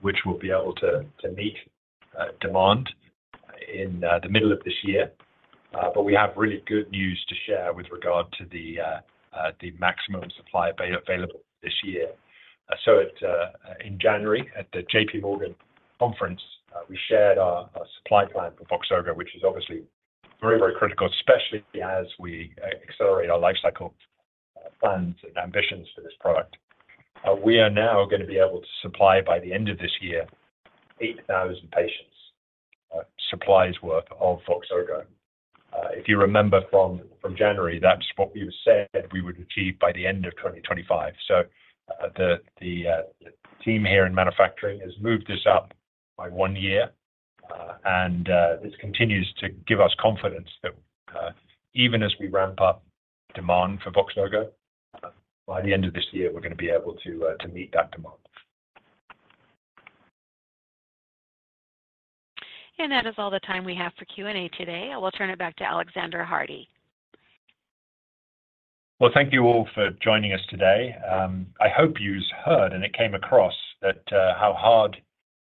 which we'll be able to meet demand in the middle of this year. But we have really good news to share with regard to the maximum supply available this year. So in January, at the J.P. Morgan conference, we shared our supply plan for Voxzogo, which is obviously very critical, especially as we accelerate our lifecycle plans and ambitions for this product. We are now gonna be able to supply by the end of this year, 8,000 patients supplies worth of Voxzogo. If you remember from January, that's what we had said we would achieve by the end of 2025. So, the team here in manufacturing has moved this up by one year, and this continues to give us confidence that, even as we ramp up demand for Voxzogo, by the end of this year, we're gonna be able to meet that demand. That is all the time we have for Q&A today. I will turn it back to Alexander Hardy. Well, thank you all for joining us today. I hope you've heard, and it came across, that, how hard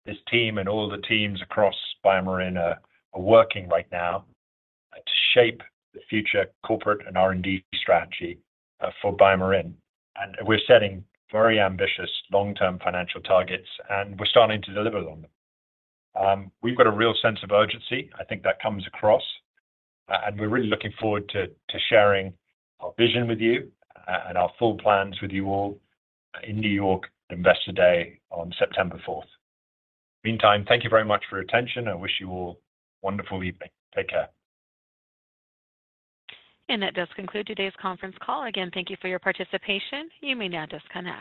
this team and all the teams across BioMarin are working right now to shape the future corporate and R&D strategy for BioMarin. We're setting very ambitious long-term financial targets, and we're starting to deliver on them. We've got a real sense of urgency. I think that comes across, and we're really looking forward to sharing our vision with you, and our full plans with you all in New York, Investor Day on September fourth. Meantime, thank you very much for your attention. I wish you all a wonderful evening. Take care. That does conclude today's conference call. Again, thank you for your participation. You may now disconnect.